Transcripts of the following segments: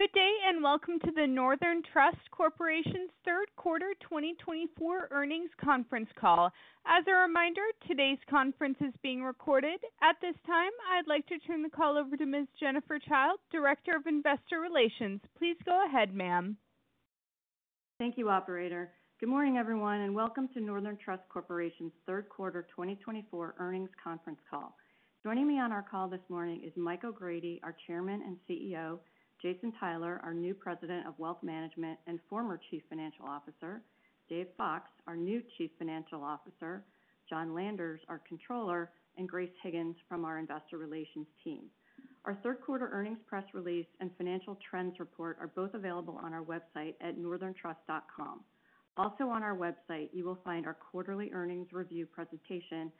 Good day, and welcome to the Northern Trust Corporation's Q3 2024 earnings conference call. As a reminder, today's conference is being recorded. At this time, I'd like to turn the call over to Ms. Jennifer Childe, Director of Investor Relations. Please go ahead, ma'am. Thank you, operator. Good morning, everyone, and welcome to Northern Trust Corporation's Q3 2024 earnings conference call. Joining me on our call this morning is Mike O'Grady, our Chairman and CEO; Jason Tyler, our new President of Wealth Management and former Chief Financial Officer; Dave Fox, our new Chief Financial Officer; John Landers, our Controller; and Grace Higgins from our Investor Relations team. Our Q3 earnings press release and financial trends report are both available on our website at northerntrust.com. Also on our website, you will find our quarterly earnings review presentation,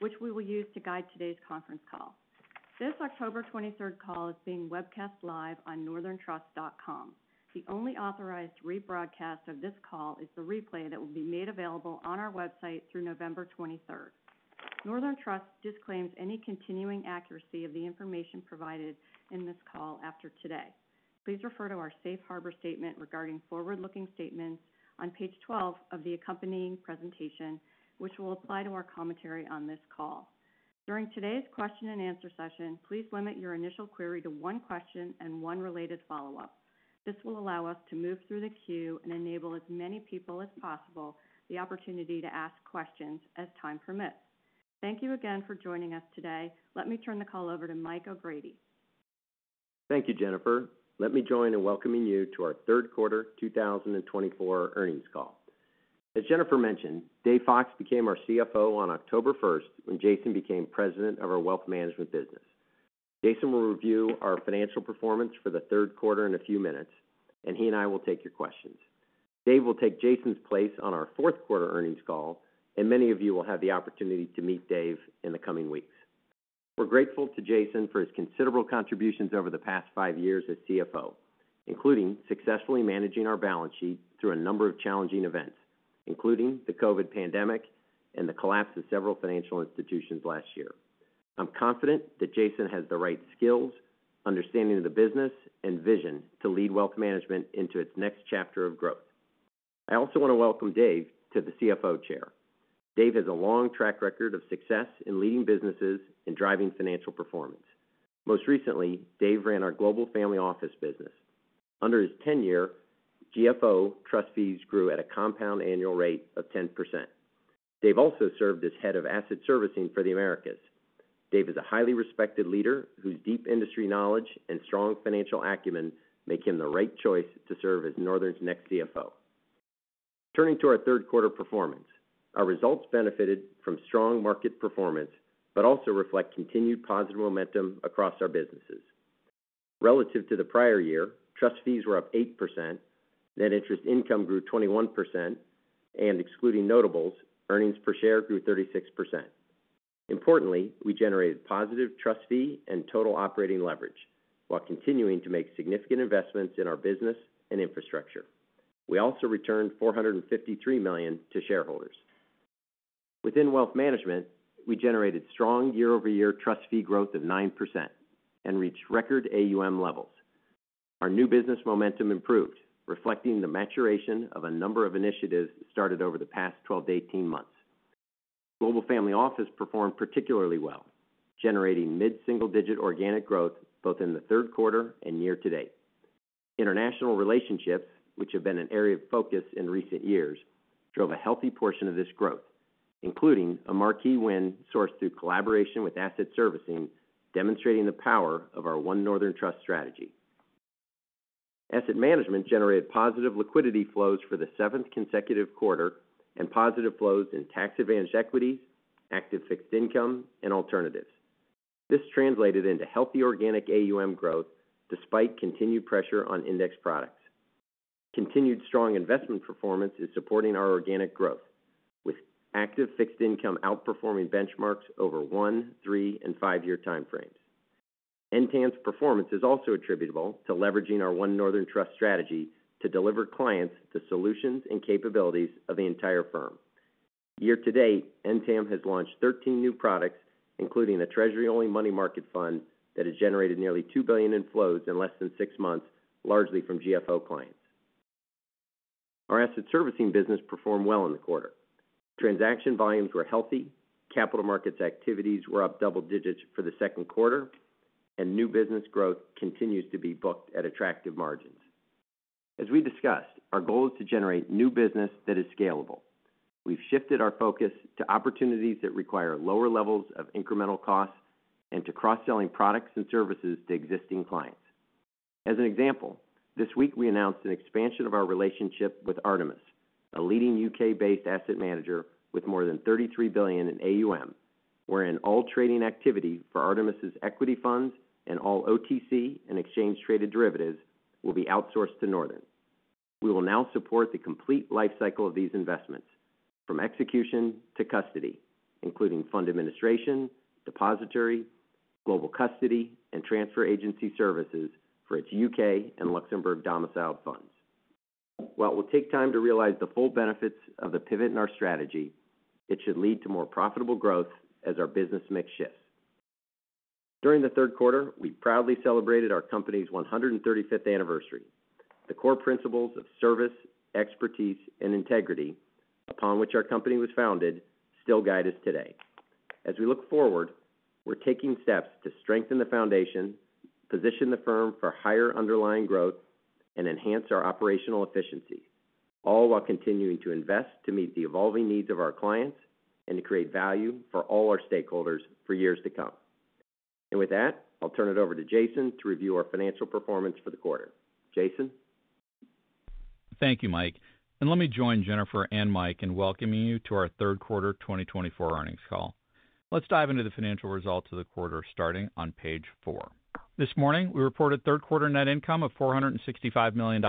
which we will use to guide today's conference call. This October 23 call is being webcast live on northerntrust.com. The only authorized rebroadcast of this call is the replay that will be made available on our website through November 23. Northern Trust disclaims any continuing accuracy of the information provided in this call after today. Please refer to our safe harbor statement regarding forward-looking statements on page 12 of the accompanying presentation, which will apply to our commentary on this call. During today's question and answer session, please limit your initial query to one question and one related follow-up. This will allow us to move through the queue and enable as many people as possible the opportunity to ask questions as time permits. Thank you again for joining us today. Let me turn the call over to Mike O'Grady. Thank you, Jennifer. Let me join in welcoming you to our Q3 2024 earnings call. As Jennifer mentioned, Dave Fox became our CFO on October first, when Jason became President of our Wealth Management business. Jason will review our financial performance for the Q3 in a few minutes, and he and I will take your questions. Dave will take Jason's place on our Q4 earnings call, and many of you will have the opportunity to meet Dave in the coming weeks. We're grateful to Jason for his considerable contributions over the past five years as CFO, including successfully managing our balance sheet through a number of challenging events, including the COVID pandemic and the collapse of several financial institutions last year. I'm confident that Jason has the right skills, understanding of the business, and vision to lead wealth management into its next chapter of growth. I also want to welcome Dave to the CFO chair. Dave has a long track record of success in leading businesses and driving financial performance. Most recently, Dave ran our global family office business. Under his 10-year, GFO trust fees grew at a compound annual rate of 10%. Dave also served as Head of Asset Servicing for the Americas. Dave is a highly respected leader whose deep industry knowledge and strong financial acumen make him the right choice to serve as Northern's next CFO. Turning to our Q3 performance, our results benefited from strong market performance, but also reflect continued positive momentum across our businesses. Relative to the prior year, trust fees were up 8%, net interest income grew 21%, and excluding notables, earnings per share grew 36%. Importantly, we generated positive trust fee and total operating leverage, while continuing to make significant investments in our business and infrastructure. We also returned $453 million to shareholders. Within wealth management, we generated strong year-over-year trust fee growth of 9% and reached record AUM levels. Our new business momentum improved, reflecting the maturation of a number of initiatives started over the past 12 to 18 months. Global Family Office performed particularly well, generating mid-single-digit organic growth both in the Q3 and year to date. International relationships, which have been an area of focus in recent years, drove a healthy portion of this growth, including a marquee win sourced through collaboration with asset servicing, demonstrating the power of our One Northern Trust strategy. Asset Management generated positive liquidity flows for the seventh consecutive quarter and positive flows in tax-advantaged equity, active fixed income, and alternatives. This translated into healthy organic AUM growth despite continued pressure on index products. Continued strong investment performance is supporting our organic growth, with active fixed income outperforming benchmarks over one, three, and five-year time frames. NTAM's performance is also attributable to leveraging our One Northern Trust strategy to deliver clients the solutions and capabilities of the entire firm. Year to date, NTAM has launched thirteen new products, including a Treasury-only money market fund that has generated nearly two billion in flows in less than six months, largely from GFO clients. Our asset servicing business performed well in the quarter. Transaction volumes were healthy, capital markets activities were up double digits for the Q2, and new business growth continues to be booked at attractive margins. As we discussed, our goal is to generate new business that is scalable. We've shifted our focus to opportunities that require lower levels of incremental costs and to cross-selling products and services to existing clients. As an example, this week we announced an expansion of our relationship with Artemis, a leading U.K.-based asset manager with more than thirty-three billion in AUM, wherein all trading activity for Artemis's equity funds and all OTC and exchange-traded derivatives will be outsourced to Northern. We will now support the complete life cycle of these investments, from execution to custody, including fund administration, depository, global custody, and transfer agency services for its U.K. and Luxembourg-domiciled funds.... While it will take time to realize the full benefits of the pivot in our strategy, it should lead to more profitable growth as our business mix shifts. During the Q3, we proudly celebrated our company's 135th anniversary. The core principles of service, expertise, and integrity, upon which our company was founded, still guide us today. As we look forward, we're taking steps to strengthen the foundation, position the firm for higher underlying growth, and enhance our operational efficiency, all while continuing to invest to meet the evolving needs of our clients and to create value for all our stakeholders for years to come. And with that, I'll turn it over to Jason to review our financial performance for the quarter. Jason? Thank you, Mike, and let me join Jennifer and Mike in welcoming you to our Q3 2024 earnings call. Let's dive into the financial results of the quarter, starting on page four. This morning, we reported Q3 net income of $465 million,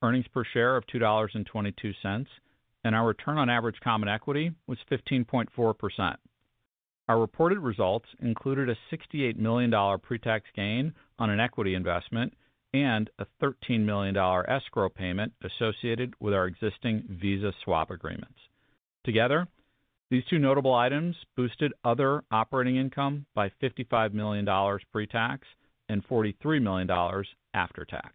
earnings per share of $2.22, and our return on average common equity was 15.4%. Our reported results included a $68 million pre-tax gain on an equity investment and a $13 million escrow payment associated with our existing Visa swap agreements. Together, these two notable items boosted other operating income by $55 million pre-tax and $43 million after tax.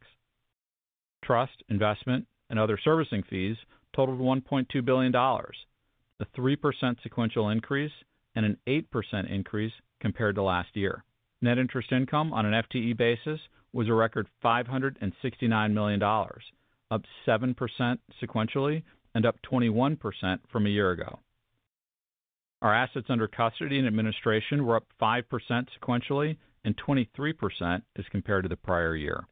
Trust, investment, and other servicing fees totaled $1.2 billion, a 3% sequential increase and an 8% increase compared to last year. Net interest income on an FTE basis was a record $569 million, up 7% sequentially and up 21% from a year ago. Our assets under custody and administration were up 5% sequentially and 23% as compared to the prior year.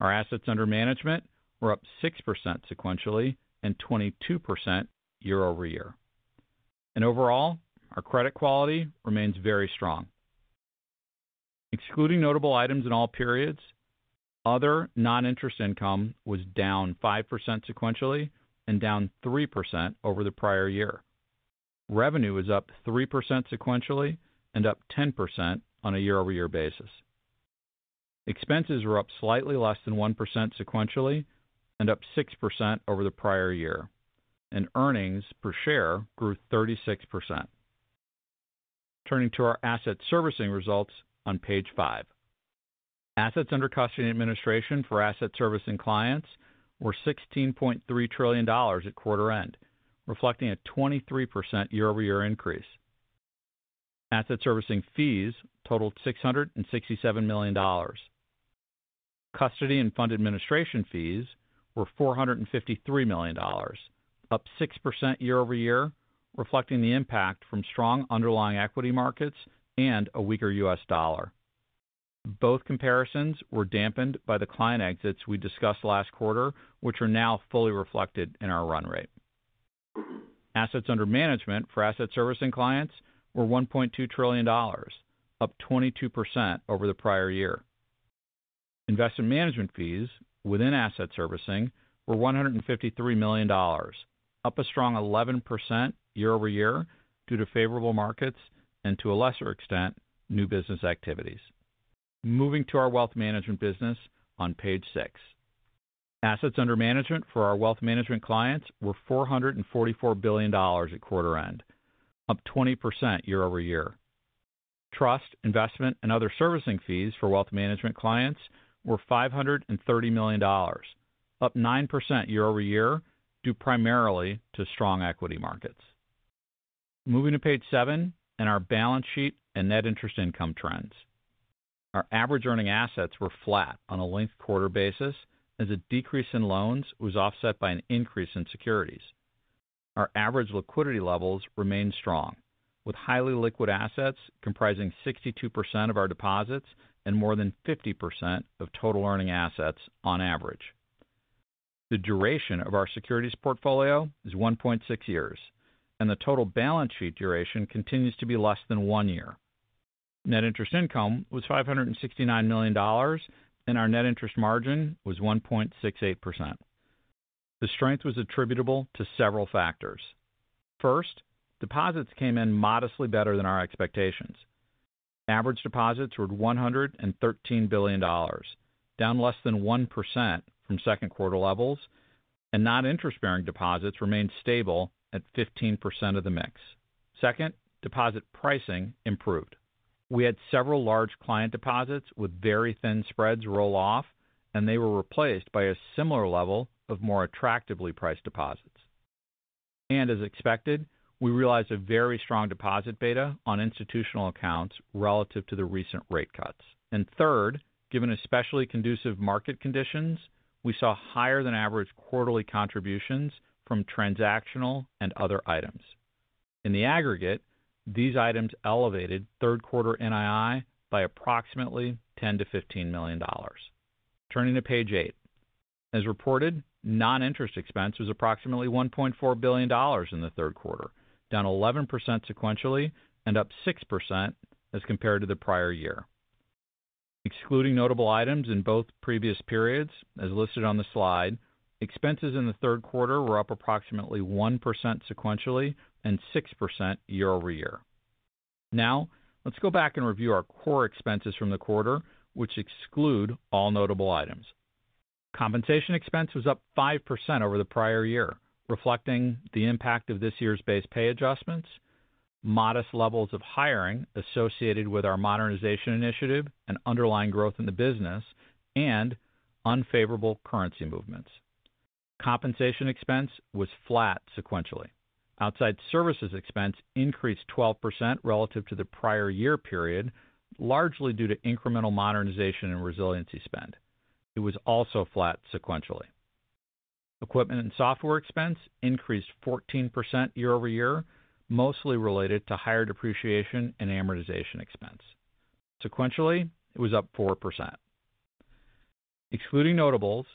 Our assets under management were up 6% sequentially and 22% year-over-year. Overall, our credit quality remains very strong. Excluding notable items in all periods, other non-interest income was down 5% sequentially and down 3% over the prior year. Revenue was up 3% sequentially and up 10% on a year-over-year basis. Expenses were up slightly less than 1% sequentially and up 6% over the prior year, and earnings per share grew 36%. Turning to our asset servicing results on page five. Assets under custody and administration for asset servicing clients were $16.3 trillion at quarter end, reflecting a 23% year-over-year increase. Asset servicing fees totaled $667 million. Custody and fund administration fees were $453 million, up 6% year-over-year, reflecting the impact from strong underlying equity markets and a weaker U.S. dollar. Both comparisons were dampened by the client exits we discussed last quarter, which are now fully reflected in our run rate. Assets under management for asset servicing clients were $1.2 trillion, up 22% over the prior year. Investment management fees within asset servicing were $153 million, up a strong 11% year-over-year due to favorable markets and, to a lesser extent, new business activities. Moving to our wealth management business on page six. Assets under management for our wealth management clients were $444 billion at quarter end, up 20% year-over-year. Trust, investment, and other servicing fees for wealth management clients were $530 million, up 9% year-over-year, due primarily to strong equity markets. Moving to page seven and our balance sheet and net interest income trends. Our average earning assets were flat on a linked-quarter basis as a decrease in loans was offset by an increase in securities. Our average liquidity levels remained strong, with highly liquid assets comprising 62% of our deposits and more than 50% of total earning assets on average. The duration of our securities portfolio is 1.6 years, and the total balance sheet duration continues to be less than one year. Net Interest Income was $569 million, and our Net Interest Margin was 1.68%. The strength was attributable to several factors. First, deposits came in modestly better than our expectations. Average deposits were $113 billion, down less than 1% from Q2 levels, and non-interest-bearing deposits remained stable at 15% of the mix. Second, deposit pricing improved. We had several large client deposits with very thin spreads roll off, and they were replaced by a similar level of more attractively priced deposits. And as expected, we realized a very strong deposit beta on institutional accounts relative to the recent rate cuts. And third, given especially conducive market conditions, we saw higher than average quarterly contributions from transactional and other items. In the aggregate, these items elevated Q3 NII by approximately $10-$15 million. Turning to page eight. As reported, non-interest expense was approximately $1.4 billion in the Q3, down 11% sequentially and up 6% as compared to the prior year. Excluding notable items in both previous periods, as listed on the slide, expenses in the Q3 were up approximately 1% sequentially and 6% year-over-year.... Now, let's go back and review our core expenses from the quarter, which exclude all notable items. Compensation expense was up 5% over the prior year, reflecting the impact of this year's base pay adjustments, modest levels of hiring associated with our modernization initiative and underlying growth in the business, and unfavorable currency movements. Compensation expense was flat sequentially. Outside services expense increased 12% relative to the prior year period, largely due to incremental modernization and resiliency spend. It was also flat sequentially. Equipment and software expense increased 14% year-over-year, mostly related to higher depreciation and amortization expense. Sequentially, it was up 4%. Excluding notables,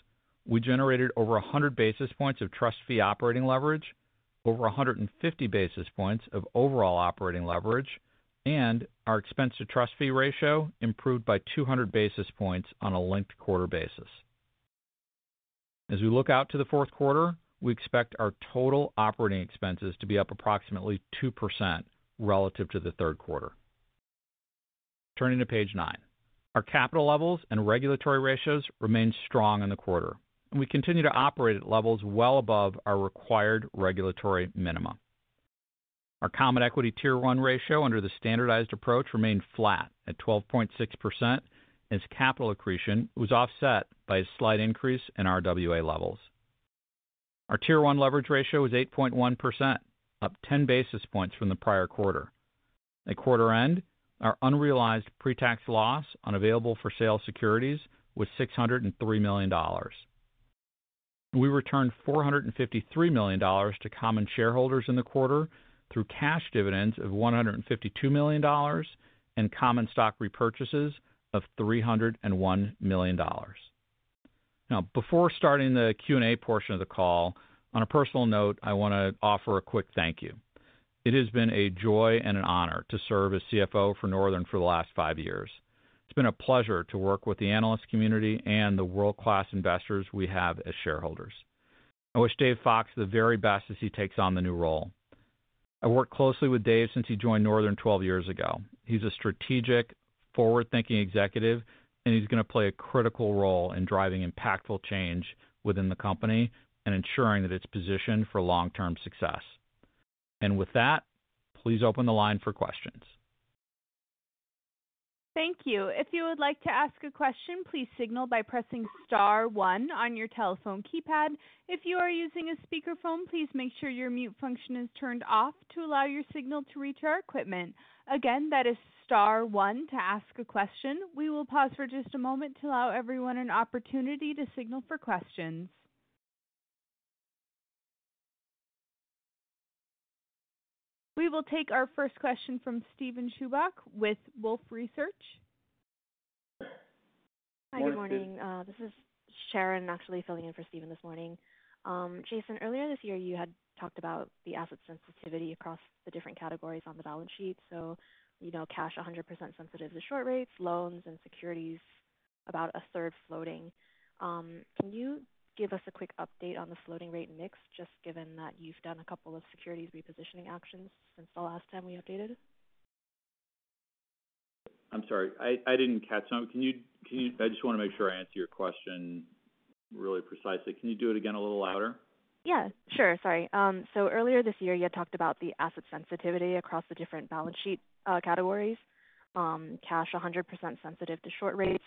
we generated over 100 basis points of trust fee operating leverage, over 100 and fifty basis points of overall operating leverage, and our expense-to-trust fee ratio improved by 200 basis points on a linked quarter basis. As we look out to the Q4, we expect our total operating expenses to be up approximately 2% relative to the Q3. Turning to page nine. Our capital levels and regulatory ratios remained strong in the quarter, and we continue to operate at levels well above our required regulatory minimum. Our Common Equity Tier 1 ratio under the standardized approach remained flat at 12.6%, as capital accretion was offset by a slight increase in RWA levels. Our Tier 1 leverage ratio was 8.1%, up 10 basis points from the prior quarter. At quarter end, our unrealized pre-tax loss on available-for-sale securities was $603 million. We returned $453 million to common shareholders in the quarter through cash dividends of $152 million and common stock repurchases of $301 million. Now, before starting the Q&A portion of the call, on a personal note, I want to offer a quick thank you. It has been a joy and an honor to serve as CFO for Northern for the last five years. It's been a pleasure to work with the analyst community and the world-class investors we have as shareholders. I wish Dave Fox the very best as he takes on the new role. I worked closely with Dave since he joined Northern twelve years ago. He's a strategic, forward-thinking executive, and he's going to play a critical role in driving impactful change within the company and ensuring that it's positioned for long-term success, and with that, please open the line for questions. Thank you. If you would like to ask a question, please signal by pressing star one on your telephone keypad. If you are using a speakerphone, please make sure your mute function is turned off to allow your signal to reach our equipment. Again, that is star one to ask a question. We will pause for just a moment to allow everyone an opportunity to signal for questions. We will take our first question from Steven Chubak with Wolfe Research. Hi, good morning. This is Sharon, actually filling in for Steven this morning. Jason, earlier this year, you had talked about the asset sensitivity across the different categories on the balance sheet. So you know, cash, 100% sensitive to short rates, loans, and securities, about a third floating. Can you give us a quick update on the floating rate mix, just given that you've done a couple of securities repositioning actions since the last time we updated? I'm sorry, I didn't catch that. Can you... I just want to make sure I answer your question really precisely. Can you do it again, a little louder? Yeah, sure. Sorry. So earlier this year, you had talked about the asset sensitivity across the different balance sheet categories. Cash, 100% sensitive to short rates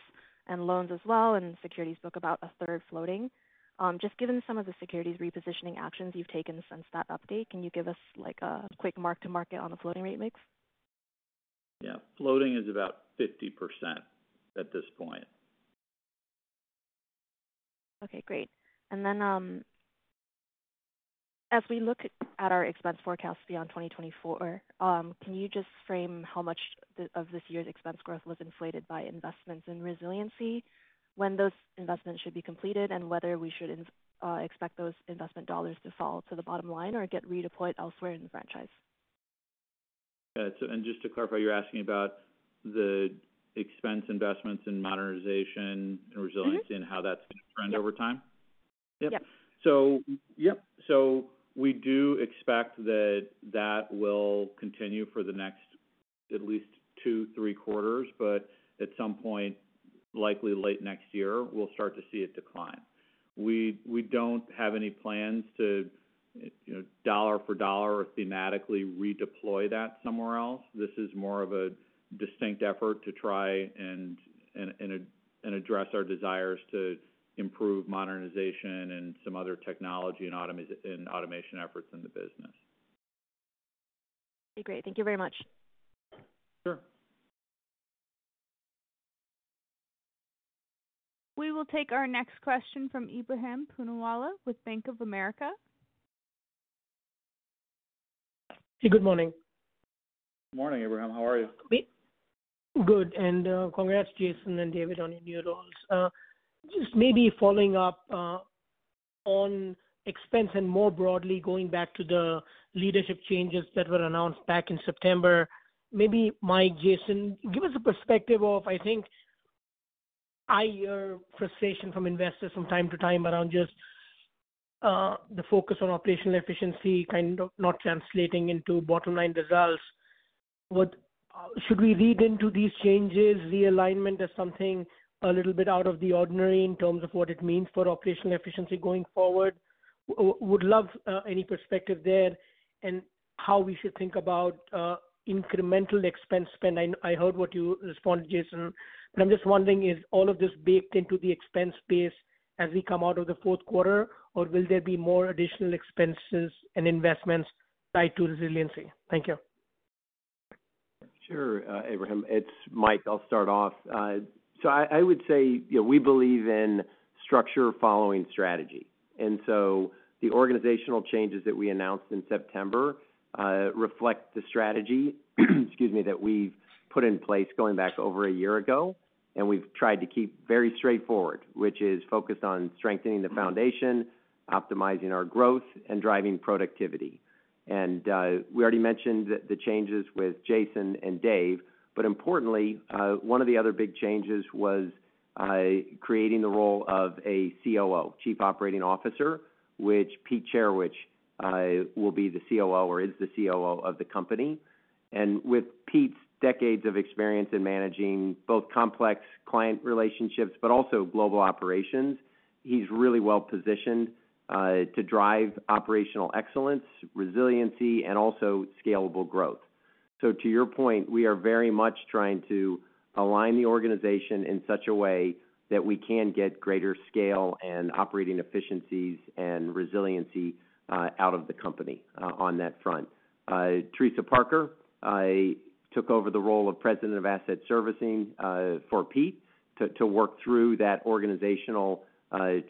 and loans as well, and securities book about a third floating. Just given some of the securities repositioning actions you've taken since that update, can you give us, like, a quick mark to market on the floating rate mix? Yeah. Floating is about 50% at this point. Okay, great. And then, as we look at our expense forecast beyond 2024, can you just frame how much of this year's expense growth was inflated by investments in resiliency, when those investments should be completed, and whether we should expect those investment dollars to fall to the bottom line or get redeployed elsewhere in the franchise? Yeah. So, just to clarify, you're asking about the expense investments in modernization and resiliency- Mm-hmm. -and how that's going to trend over time? Yep. So, yep. So we do expect that that will continue for the next at least two, three quarters, but at some point, likely late next year, we'll start to see it decline. We don't have any plans to, you know, dollar for dollar or thematically redeploy that somewhere else. This is more of a distinct effort to try and address our desires to improve modernization and some other technology and automation efforts in the business. Okay, great. Thank you very much. Sure. We will take our next question from Ebrahim Poonawala with Bank of America. Good morning. Morning, Ebrahim. How are you? Great. Good, and, congrats, Jason and David, on your new roles. Just maybe following up on expense and more broadly, going back to the leadership changes that were announced back in September. Maybe Mike, Jason, give us a perspective of. I think I hear frustration from investors from time to time around just the focus on operational efficiency kind of not translating into bottom-line results. What should we read into these changes, realignment as something a little bit out of the ordinary in terms of what it means for operational efficiency going forward? Would love any perspective there, and how we should think about incremental expense spend. I heard what you responded, Jason, but I'm just wondering, is all of this baked into the expense base as we come out of the Q4? Or will there be more additional expenses and investments tied to resiliency? Thank you. Sure, Ebrahim, it's Mike. I'll start off. So I would say, you know, we believe in structure following strategy. And so the organizational changes that we announced in September reflect the strategy, excuse me, that we've put in place going back over a year ago. And we've tried to keep very straightforward, which is focused on strengthening the foundation, optimizing our growth, and driving productivity. And we already mentioned the changes with Jason and Dave, but importantly, one of the other big changes was creating the role of a COO, Chief Operating Officer, which Pete Cherecwich will be the COO or is the COO of the company. And with Pete's decades of experience in managing both complex client relationships but also global operations, he's really well positioned to drive operational excellence, resiliency, and also scalable growth. So to your point, we are very much trying to align the organization in such a way that we can get greater scale and operating efficiencies and resiliency out of the company on that front. Teresa Parker took over the role of President of Asset Servicing for Pete to work through that organizational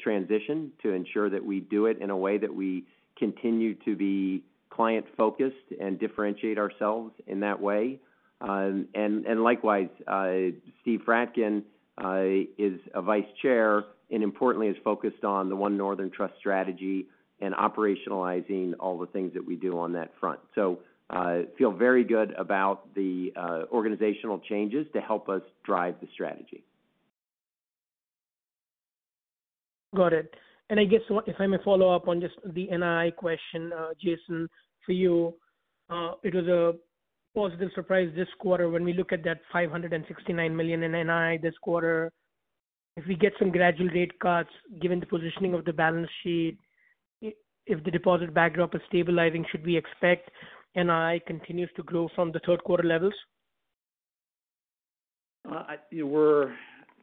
transition to ensure that we do it in a way that we continue to be client-focused and differentiate ourselves in that way. And likewise, Steve Fradkin is a Vice Chair, and importantly, is focused on the One Northern Trust strategy and operationalizing all the things that we do on that front. So feel very good about the organizational changes to help us drive the strategy. Got it. And I guess, what, if I may follow up on just the NII question, Jason, for you. It was a positive surprise this quarter when we look at that $569 million in NII this quarter. If we get some gradual rate cuts, given the positioning of the balance sheet, if the deposit backdrop is stabilizing, should we expect NII continues to grow from the Q3 levels?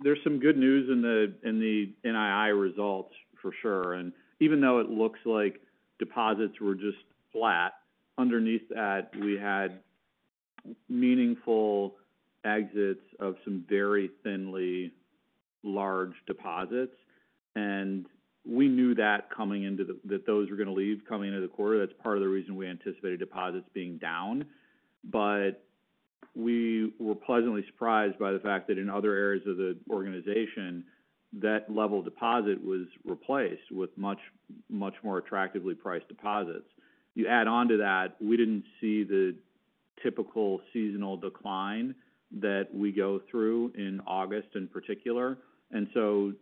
There's some good news in the NII results for sure. And even though it looks like deposits were just flat, underneath that, we had meaningful exits of some very thin, large deposits. And we knew that coming into the quarter that those were going to leave. That's part of the reason we anticipated deposits being down. But we were pleasantly surprised by the fact that in other areas of the organization, that level of deposit was replaced with much, much more attractively priced deposits. You add on to that, we didn't see the typical seasonal decline that we go through in August in particular. And so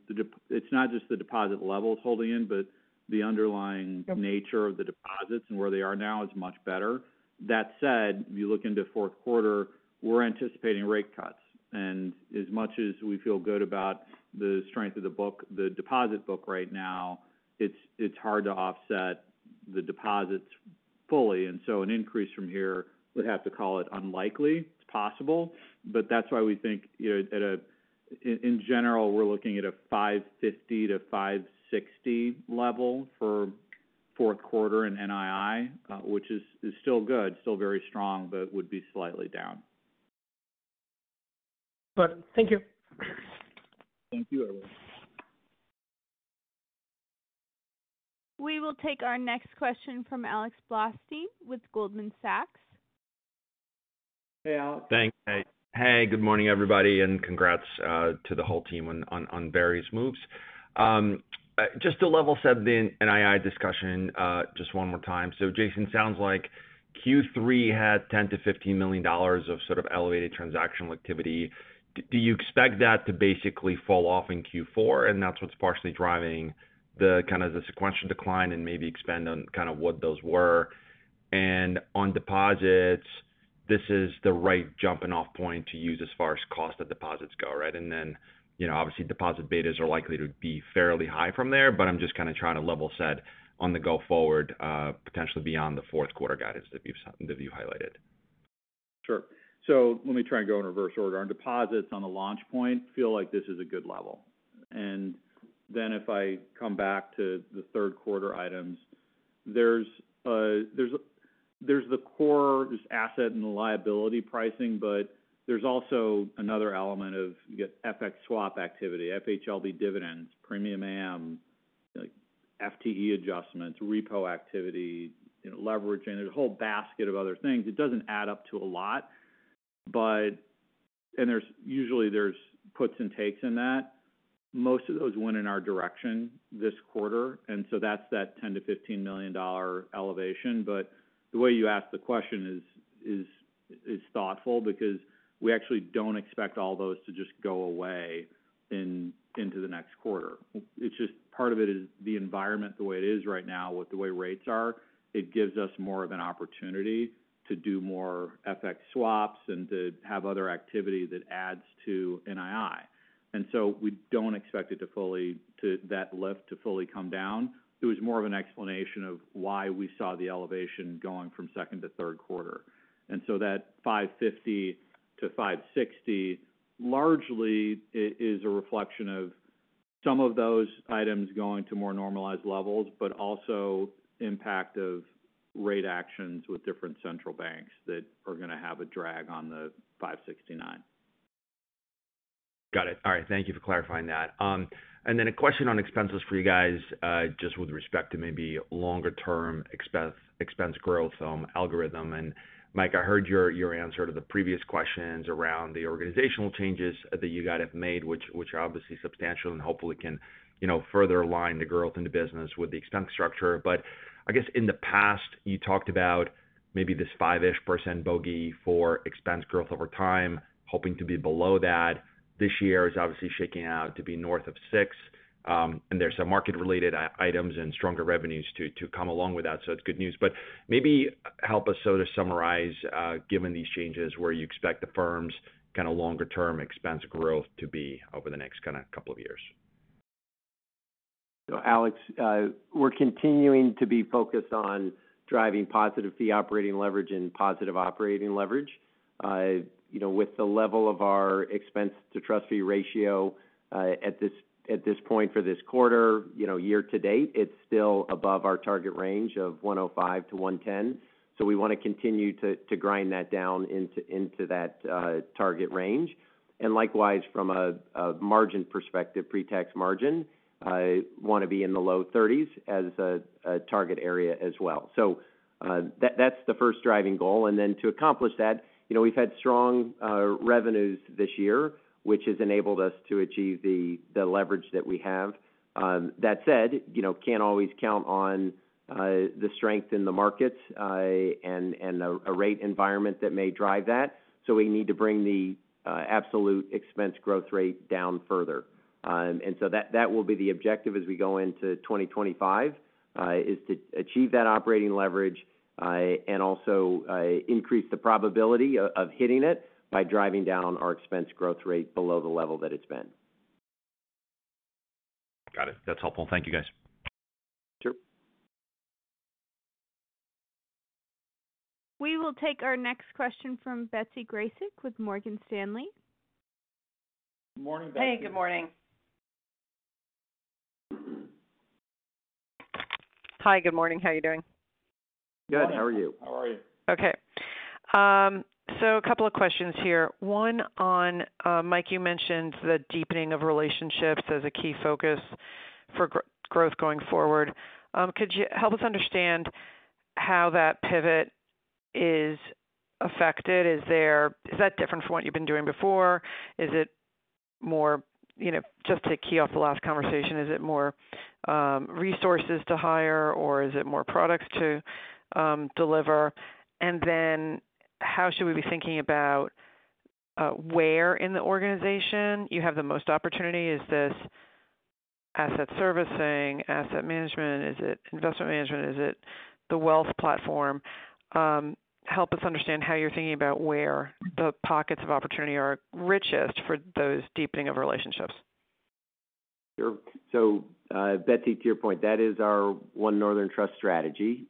it's not just the deposit levels holding in, but the underlying nature of the deposits and where they are now is much better. That said, if you look into Q4, we're anticipating rate cuts. And as much as we feel good about the strength of the book, the deposit book right now, it's hard to offset the deposits fully, and so an increase from here would have to call it unlikely. It's possible, but that's why we think, you know, in general, we're looking at a 550-560 level for Q4 in NII, which is still good, still very strong, but would be slightly down. Good. Thank you. Thank you, everyone. We will take our next question from Alex Blostein with Goldman Sachs. Hey, Alex. Thanks. Hey, good morning, everybody, and congrats to the whole team on various moves. Just to level set the NII discussion just one more time. So Jason, sounds like Q3 had $10-$15 million of sort of elevated transactional activity. Do you expect that to basically fall off in Q4, and that's what's partially driving the kind of the sequential decline, and maybe expand on kind of what those were? And on deposits, this is the right jumping-off point to use as far as cost of deposits go, right? And then, you know, obviously, deposit betas are likely to be fairly high from there, but I'm just kind of trying to level set on the go forward, potentially beyond the Q4 guidance that you highlighted. Sure. So let me try and go in reverse order. Our deposits on the launch point feel like this is a good level. Then if I come back to the Q3 items, there's the core, just asset and liability pricing, but there's also another element of, you get FX swap activity, FHLB dividends, premium amortization, like FTE adjustments, repo activity, you know, leverage, and there's a whole basket of other things. It doesn't add up to a lot, but and there's usually puts and takes in that.... most of those went in our direction this quarter, and so that's that $10-$15 million elevation. But the way you ask the question is thoughtful because we actually don't expect all those to just go away into the next quarter. It's just part of it is the environment, the way it is right now, with the way rates are. It gives us more of an opportunity to do more FX swaps and to have other activity that adds to NII. And so we don't expect it to fully to that lift to fully come down. It was more of an explanation of why we saw the elevation going from second to Q3. And so that $550-$560, largely, is a reflection of some of those items going to more normalized levels, but also impact of rate actions with different central banks that are going to have a drag on the $569. Got it. All right, thank you for clarifying that. And then a question on expenses for you guys, just with respect to maybe longer-term expense growth algorithm. And Mike, I heard your answer to the previous questions around the organizational changes that you guys have made, which are obviously substantial and hopefully can, you know, further align the growth in the business with the expense structure. But I guess in the past, you talked about maybe this five-ish% bogey for expense growth over time, hoping to be below that. This year is obviously shaking out to be north of 6%, and there's some market-related items and stronger revenues to come along with that, so it's good news. But maybe help us sort of summarize, given these changes, where you expect the firm's kind of longer-term expense growth to be over the next kind of couple of years? So Alex, we're continuing to be focused on driving positive fee operating leverage and positive operating leverage. You know, with the level of our expense-to-trust fee ratio, at this point for this quarter, you know, year to date, it's still above our target range of 105-110. So we want to continue to grind that down into that target range. And likewise, from a margin perspective, pre-tax margin, I want to be in the low thirties as a target area as well. So that's the first driving goal. And then to accomplish that, you know, we've had strong revenues this year, which has enabled us to achieve the leverage that we have. That said, you know, can't always count on the strength in the markets and a rate environment that may drive that. So we need to bring the absolute expense growth rate down further. And so that will be the objective as we go into 2025 is to achieve that operating leverage and also increase the probability of hitting it by driving down on our expense growth rate below the level that it's been. Got it. That's helpful. Thank you, guys. Sure. We will take our next question from Betsy Graseck with Morgan Stanley. Morning, Betsy. Hey, good morning. Hi, good morning. How are you doing? Good. How are you? How are you? Okay, so a couple of questions here. One on Mike, you mentioned the deepening of relationships as a key focus for growth going forward. Could you help us understand how that pivot is affected? Is that different from what you've been doing before? Is it more, you know, just to key off the last conversation, is it more resources to hire or is it more products to deliver? And then, how should we be thinking about where in the organization you have the most opportunity? Is this asset servicing, asset management? Is it investment management? Is it the wealth platform? Help us understand how you're thinking about where the pockets of opportunity are richest for those deepening of relationships? Sure. So, Betsy, to your point, that is our One Northern Trust strategy,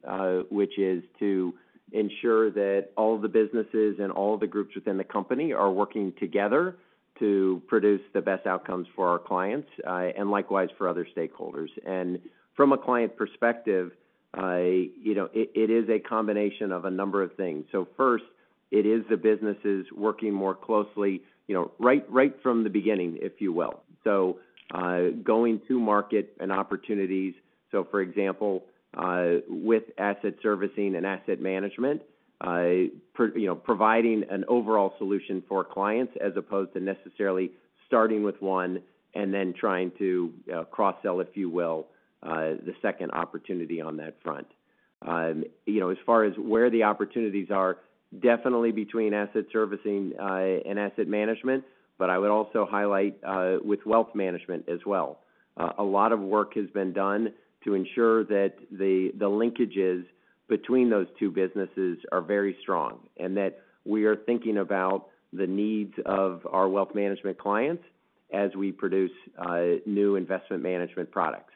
which is to ensure that all the businesses and all the groups within the company are working together to produce the best outcomes for our clients, and likewise for other stakeholders, and from a client perspective, you know, it is a combination of a number of things. So first, it is the businesses working more closely, you know, right, right from the beginning, if you will. So, going to market and opportunities. So for example, with asset servicing and asset management, you know, providing an overall solution for clients as opposed to necessarily starting with one and then trying to, cross-sell, if you will, the second opportunity on that front. You know, as far as where the opportunities are, definitely between asset servicing and asset management, but I would also highlight with wealth management as well. A lot of work has been done to ensure that the linkages between those two businesses are very strong, and that we are thinking about the needs of our wealth management clients as we produce new investment management products.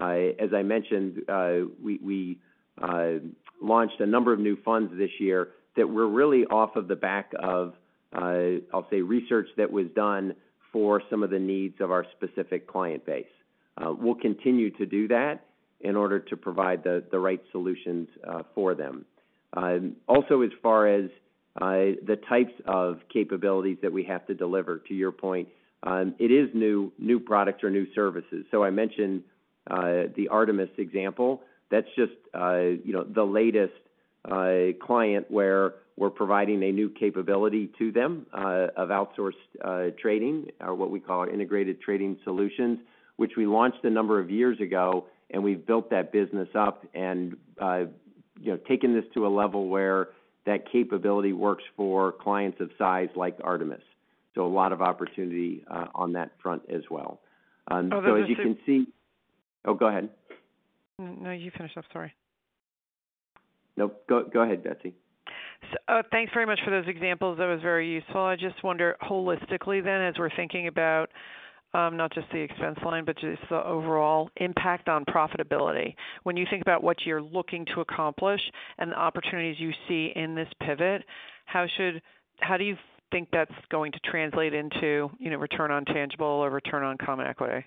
As I mentioned, we launched a number of new funds this year that were really off of the back of research that was done for some of the needs of our specific client base. We'll continue to do that in order to provide the right solutions for them. Also, as far as the types of capabilities that we have to deliver, to your point, it is new products or new services. So I mentioned the Artemis example. That's just, you know, the latest, a client where we're providing a new capability to them of outsourced trading, or what we call Integrated Trading Solutions, which we launched a number of years ago, and we've built that business up and, you know, taken this to a level where that capability works for clients of size like Artemis. So a lot of opportunity on that front as well. And so as you can see - Oh, go ahead. No, you finish up. Sorry. Nope. Go, go ahead, Betsy. So, thanks very much for those examples. That was very useful. I just wonder holistically then, as we're thinking about, not just the expense line, but just the overall impact on profitability. When you think about what you're looking to accomplish and the opportunities you see in this pivot, how do you think that's going to translate into, you know, return on tangible or return on common equity?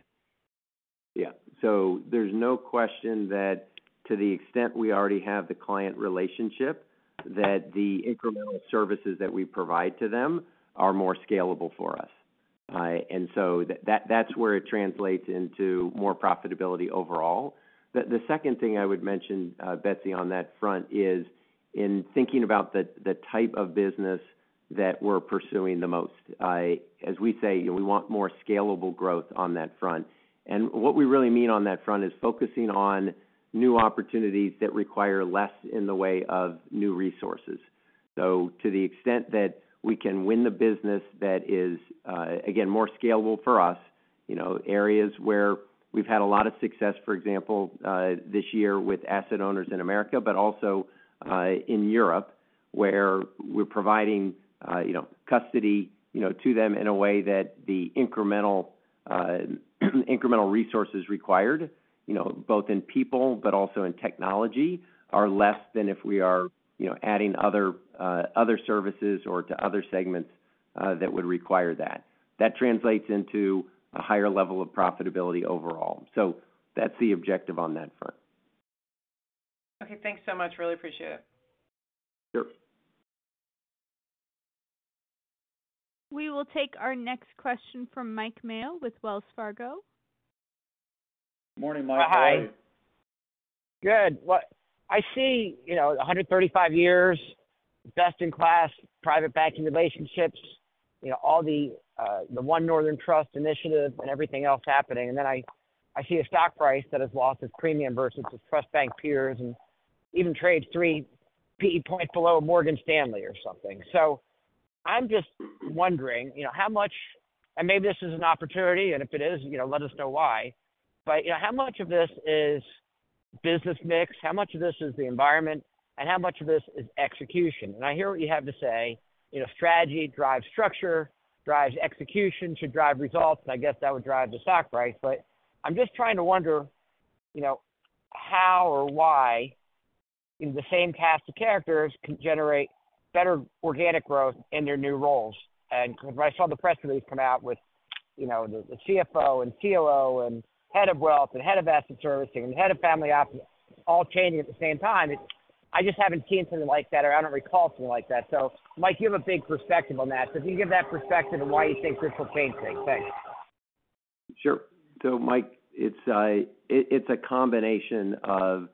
Yeah. So there's no question that to the extent we already have the client relationship, that the incremental services that we provide to them are more scalable for us. And so that's where it translates into more profitability overall. The second thing I would mention, Betsy, on that front is, in thinking about the type of business that we're pursuing the most. As we say, we want more scalable growth on that front. And what we really mean on that front is focusing on new opportunities that require less in the way of new resources. So, to the extent that we can win the business that is again more scalable for us, you know, areas where we've had a lot of success, for example, this year with asset owners in America, but also in Europe, where we're providing, you know, custody, you know, to them in a way that the incremental resources required, you know, both in people, but also in technology, are less than if we are, you know, adding other services or to other segments that would require that. That translates into a higher level of profitability overall. So that's the objective on that front. Okay, thanks so much. Really appreciate it. Sure. We will take our next question from Mike Mayo with Wells Fargo. Morning, Mike, how are you? Hi. Good. What I see, you know, a 135 years, best-in-class private banking relationships, you know, all the, the One Northern Trust initiative and everything else happening. And then I see a stock price that has lost its premium versus its trust bank peers, and even trades three PE points below Morgan Stanley or something. So I'm just wondering, you know, how much. And maybe this is an opportunity, and if it is, you know, let us know why. But, you know, how much of this is business mix? How much of this is the environment? And how much of this is execution? And I hear what you have to say. You know, strategy drives structure, drives execution, should drive results, and I guess that would drive the stock price. But I'm just trying to wonder, you know, how or why the same cast of characters can generate better organic growth in their new roles. And when I saw the press release come out with, you know, the CFO and COO and head of wealth, and head of asset servicing, and head of family office, all changing at the same time, it. I just haven't seen something like that, or I don't recall something like that. So Mike, you have a big perspective on that. So if you give that perspective on why you think this will change things? Thanks. Sure. So Mike, it's a combination of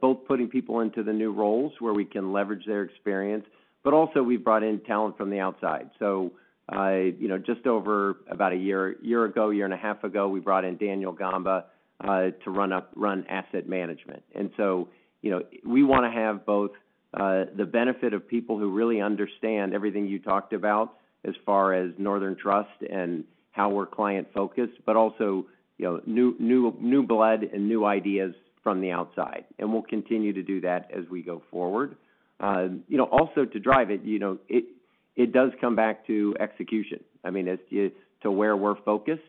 both putting people into the new roles where we can leverage their experience, but also, we've brought in talent from the outside. So, you know, just over about a year, year ago, year and a half ago, we brought in Daniel Gamba to run asset management. And so, you know, we wanna have both the benefit of people who really understand everything you talked about as far as Northern Trust and how we're client-focused, but also, you know, new blood and new ideas from the outside. And we'll continue to do that as we go forward. You know, also to drive it, you know, it does come back to execution. I mean, it's to where we're focused,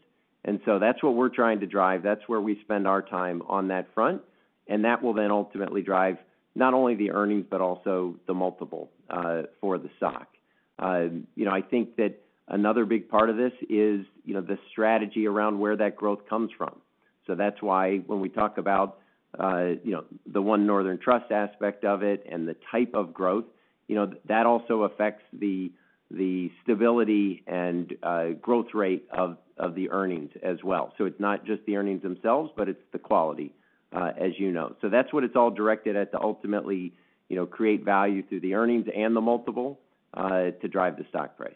and so that's what we're trying to drive. That's where we spend our time on that front, and that will then ultimately drive not only the earnings but also the multiple, for the stock. You know, I think that another big part of this is, you know, the strategy around where that growth comes from. So that's why when we talk about, you know, the One Northern Trust aspect of it and the type of growth, you know, that also affects the stability and growth rate of the earnings as well. So it's not just the earnings themselves, but it's the quality, as you know. So that's what it's all directed at, to ultimately, you know, create value through the earnings and the multiple, to drive the stock price.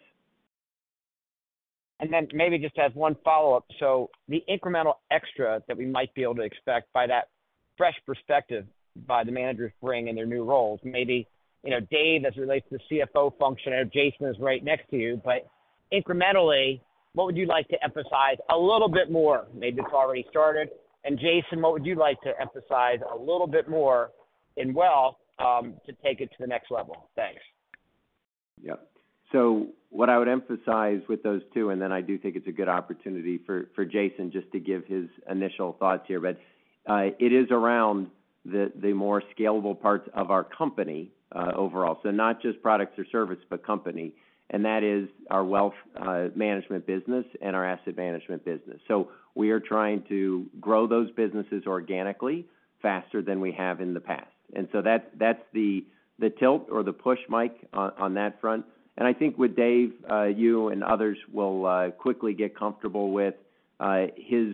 And then maybe just to add one follow-up. So the incremental extra that we might be able to expect by that fresh perspective by the managers bringing in their new roles, maybe, you know, Dave, as it relates to the CFO function, I know Jason is right next to you, but incrementally, what would you like to emphasize a little bit more? Maybe it's already started. And Jason, what would you like to emphasize a little bit more in wealth, to take it to the next level? Thanks. Yep. So what I would emphasize with those two, and then I do think it's a good opportunity for Jason just to give his initial thoughts here. But it is around the more scalable parts of our company overall. So not just products or service, but company, and that is our wealth management business and our asset management business. So we are trying to grow those businesses organically faster than we have in the past. And so that's the tilt or the push, Mike, on that front. And I think with Dave, you and others will quickly get comfortable with his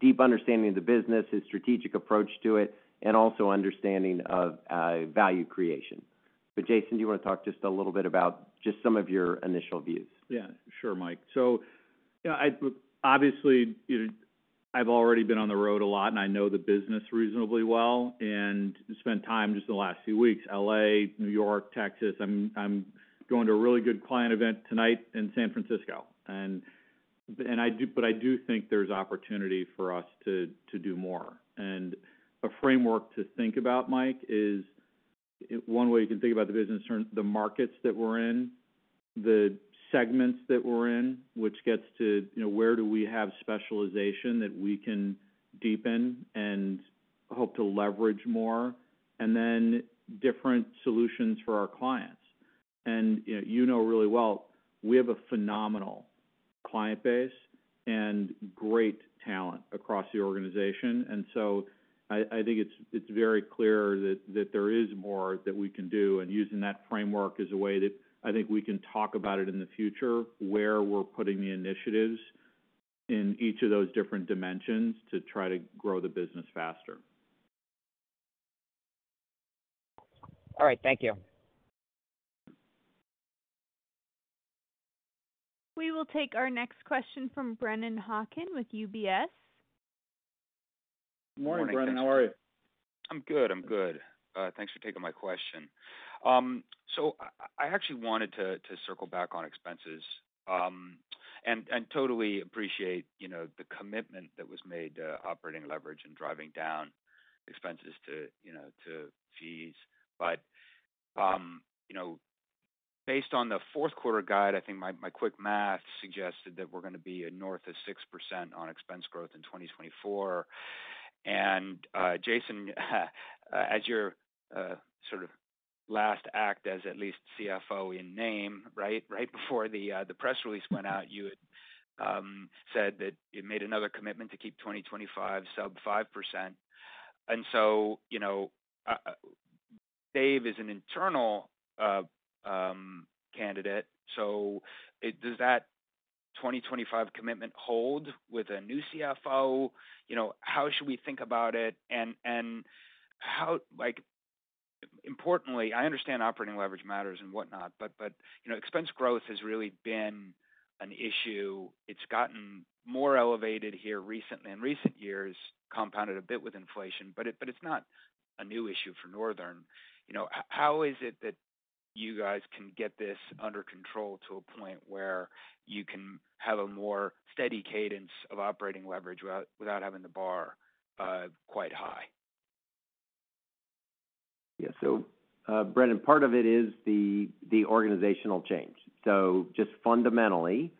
deep understanding of the business, his strategic approach to it, and also understanding of value creation.... But Jason, do you want to talk just a little bit about just some of your initial views? Yeah, sure, Mike. So, you know, I obviously, you know, I've already been on the road a lot, and I know the business reasonably well, and spent time just in the last few weeks, LA, New York, Texas. I'm going to a really good client event tonight in San Francisco. And but I do think there's opportunity for us to do more. And a framework to think about, Mike, is one way you can think about the business, or the markets that we're in, the segments that we're in, which gets to, you know, where do we have specialization that we can deepen and hope to leverage more, and then different solutions for our clients. And, you know, you know really well, we have a phenomenal client base and great talent across the organization. And so I think it's very clear that there is more that we can do, and using that framework is a way that I think we can talk about it in the future, where we're putting the initiatives in each of those different dimensions to try to grow the business faster. All right. Thank you. We will take our next question from Brennan Hawken with UBS. Morning, Brennan. How are you? I'm good. I'm good. Thanks for taking my question. So I actually wanted to circle back on expenses and totally appreciate, you know, the commitment that was made to operating leverage and driving down expenses to, you know, to fees. But you know, based on the Q4 guide, I think my quick math suggested that we're gonna be north of 6% on expense growth in 2024. And Jason, as your sort of last act as at least CFO in name, right? Right before the press release went out, you had said that you made another commitment to keep 2025 sub 5%. And so, you know, Dave is an internal candidate, so does that 2025 commitment hold with a new CFO? You know, how should we think about it? How... Like, importantly, I understand operating leverage matters and whatnot, but you know, expense growth has really been an issue. It's gotten more elevated here recently, in recent years, compounded a bit with inflation, but it's not a new issue for Northern. You know, how is it that you guys can get this under control to a point where you can have a more steady cadence of operating leverage without having the bar quite high? Yeah. So, Brennan, part of it is the organizational change. So just fundamentally,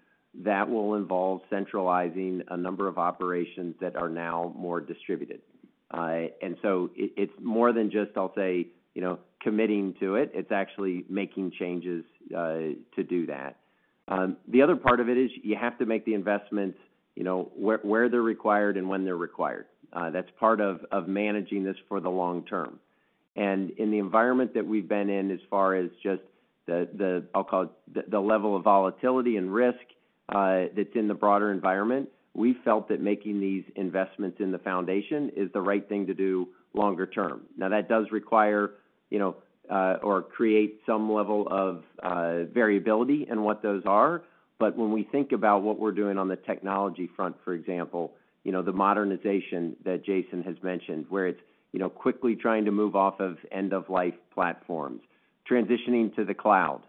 that will involve centralizing a number of operations that are now more distributed. And so it's more than just, I'll say, you know, committing to it, it's actually making changes to do that. The other part of it is you have to make the investments, you know, where they're required and when they're required. That's part of managing this for the long term. And in the environment that we've been in as far as just the, I'll call it, the level of volatility and risk that's in the broader environment, we felt that making these investments in the foundation is the right thing to do longer term. Now, that does require, you know, or create some level of variability in what those are. But when we think about what we're doing on the technology front, for example, you know, the modernization that Jason has mentioned, where it's, you know, quickly trying to move off of end-of-life platforms, transitioning to the cloud,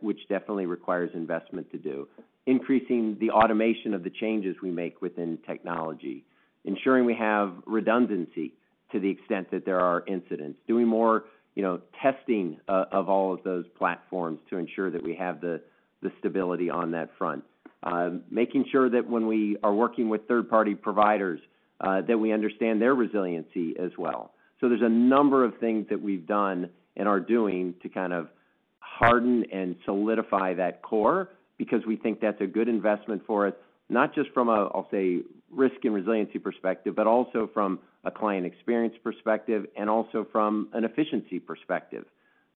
which definitely requires investment to do. Increasing the automation of the changes we make within technology, ensuring we have redundancy to the extent that there are incidents, doing more, you know, testing, of all of those platforms to ensure that we have the stability on that front. Making sure that when we are working with third-party providers, that we understand their resiliency as well. So there's a number of things that we've done and are doing to kind of harden and solidify that core because we think that's a good investment for us, not just from a, I'll say, risk and resiliency perspective, but also from a client experience perspective and also from an efficiency perspective.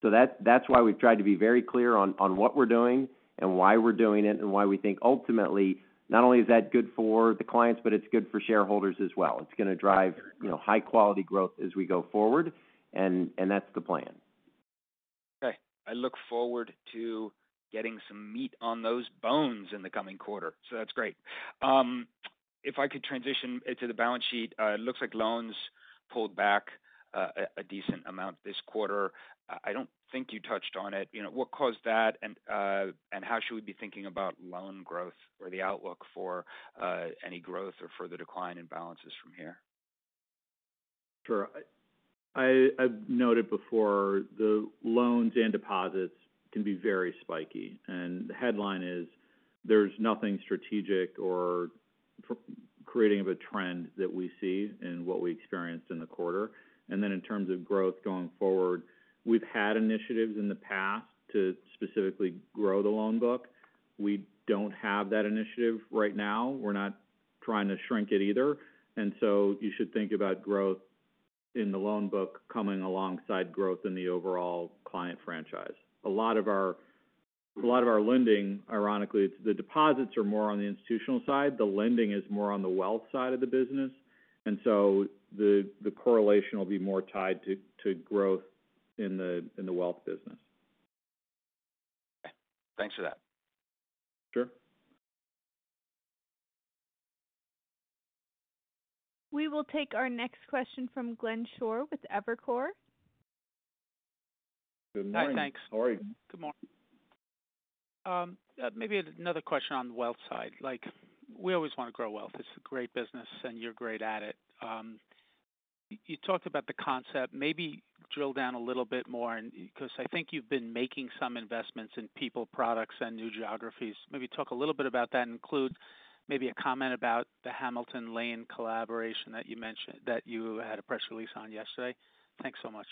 So that's why we've tried to be very clear on what we're doing and why we're doing it, and why we think ultimately, not only is that good for the clients, but it's good for shareholders as well. It's gonna drive, you know, high quality growth as we go forward, and that's the plan. Okay. I look forward to getting some meat on those bones in the coming quarter, so that's great. If I could transition it to the balance sheet, it looks like loans pulled back a decent amount this quarter. I don't think you touched on it. You know, what caused that? And how should we be thinking about loan growth or the outlook for any growth or further decline in balances from here? Sure. I've noted before, the loans and deposits can be very spiky, and the headline is, there's nothing strategic or creating of a trend that we see in what we experienced in the quarter. Then in terms of growth going forward, we've had initiatives in the past to specifically grow the loan book. We don't have that initiative right now. We're not trying to shrink it either, and so you should think about growth in the loan book coming alongside growth in the overall client franchise. A lot of our lending, ironically, it's the deposits are more on the institutional side, the lending is more on the wealth side of the business, and so the correlation will be more tied to growth in the wealth business. Thanks for that. Sure. We will take our next question from Glenn Schorr with Evercore. Good morning. Hi, thanks. How are you? Good morning. Maybe another question on the wealth side. Like, we always want to grow wealth. It's a great business, and you're great at it. You talked about the concept. Maybe drill down a little bit more and because I think you've been making some investments in people, products, and new geographies. Maybe talk a little bit about that, and include maybe a comment about the Hamilton Lane collaboration that you mentioned, that you had a press release on yesterday. Thanks so much.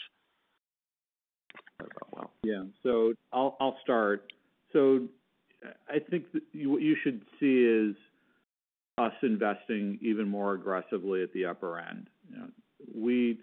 Yeah. So I'll start. So I think that what you should see is us investing even more aggressively at the upper end. You know,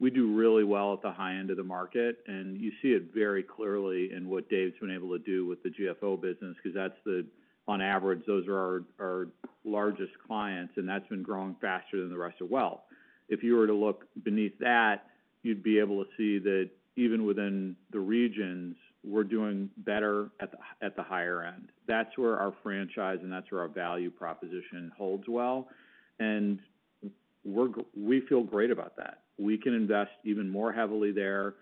we do really well at the high end of the market, and you see it very clearly in what Dave's been able to do with the GFO business, 'cause that's the, on average, those are our largest clients, and that's been growing faster than the rest of wealth. If you were to look beneath that, you'd be able to see that even within the regions, we're doing better at the higher end. That's where our franchise and that's where our value proposition holds well, and we feel great about that. We can invest even more heavily there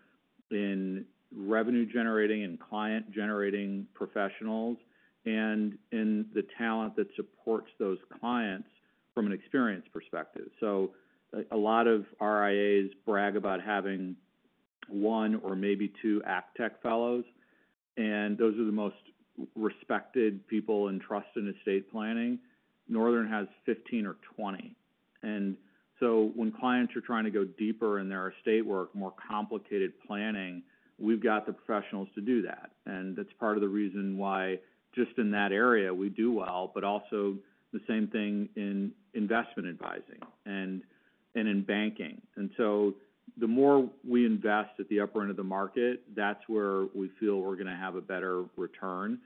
in revenue-generating and client-generating professionals, and in the talent that supports those clients from an experience perspective. So a lot of RIAs brag about having one or maybe two ACTEC fellows, and those are the most respected people in trust and estate planning. Northern has 15 or 20, and so when clients are trying to go deeper in their estate work, more complicated planning, we've got the professionals to do that, and that's part of the reason why, just in that area, we do well, but also the same thing in investment advising and in banking, and so the more we invest at the upper end of the market, that's where we feel we're going to have a better return.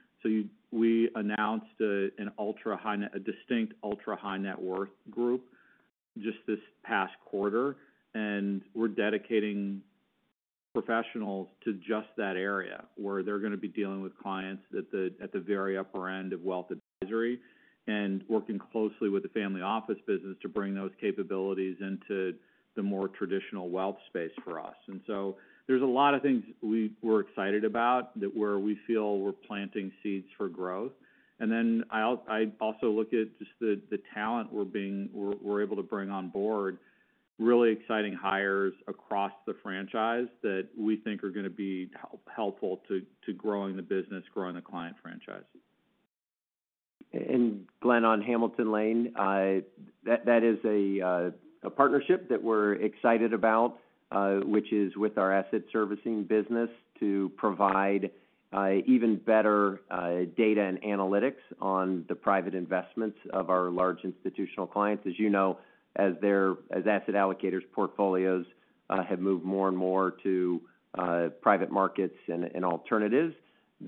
We announced an ultra-high net... a distinct ultra-high net worth group just this past quarter, and we're dedicating professionals to just that area, where they're going to be dealing with clients at the very upper end of wealth advisory, and working closely with the family office business to bring those capabilities into the more traditional wealth space for us. And so there's a lot of things we're excited about, that we feel we're planting seeds for growth. And then I also look at just the talent we're able to bring on board. Really exciting hires across the franchise that we think are going to be helpful to growing the business, growing the client franchise. Glenn, on Hamilton Lane, that is a partnership that we're excited about, which is with our asset servicing business, to provide even better data and analytics on the private investments of our large institutional clients. As you know, as their asset allocators, portfolios have moved more and more to private markets and alternatives,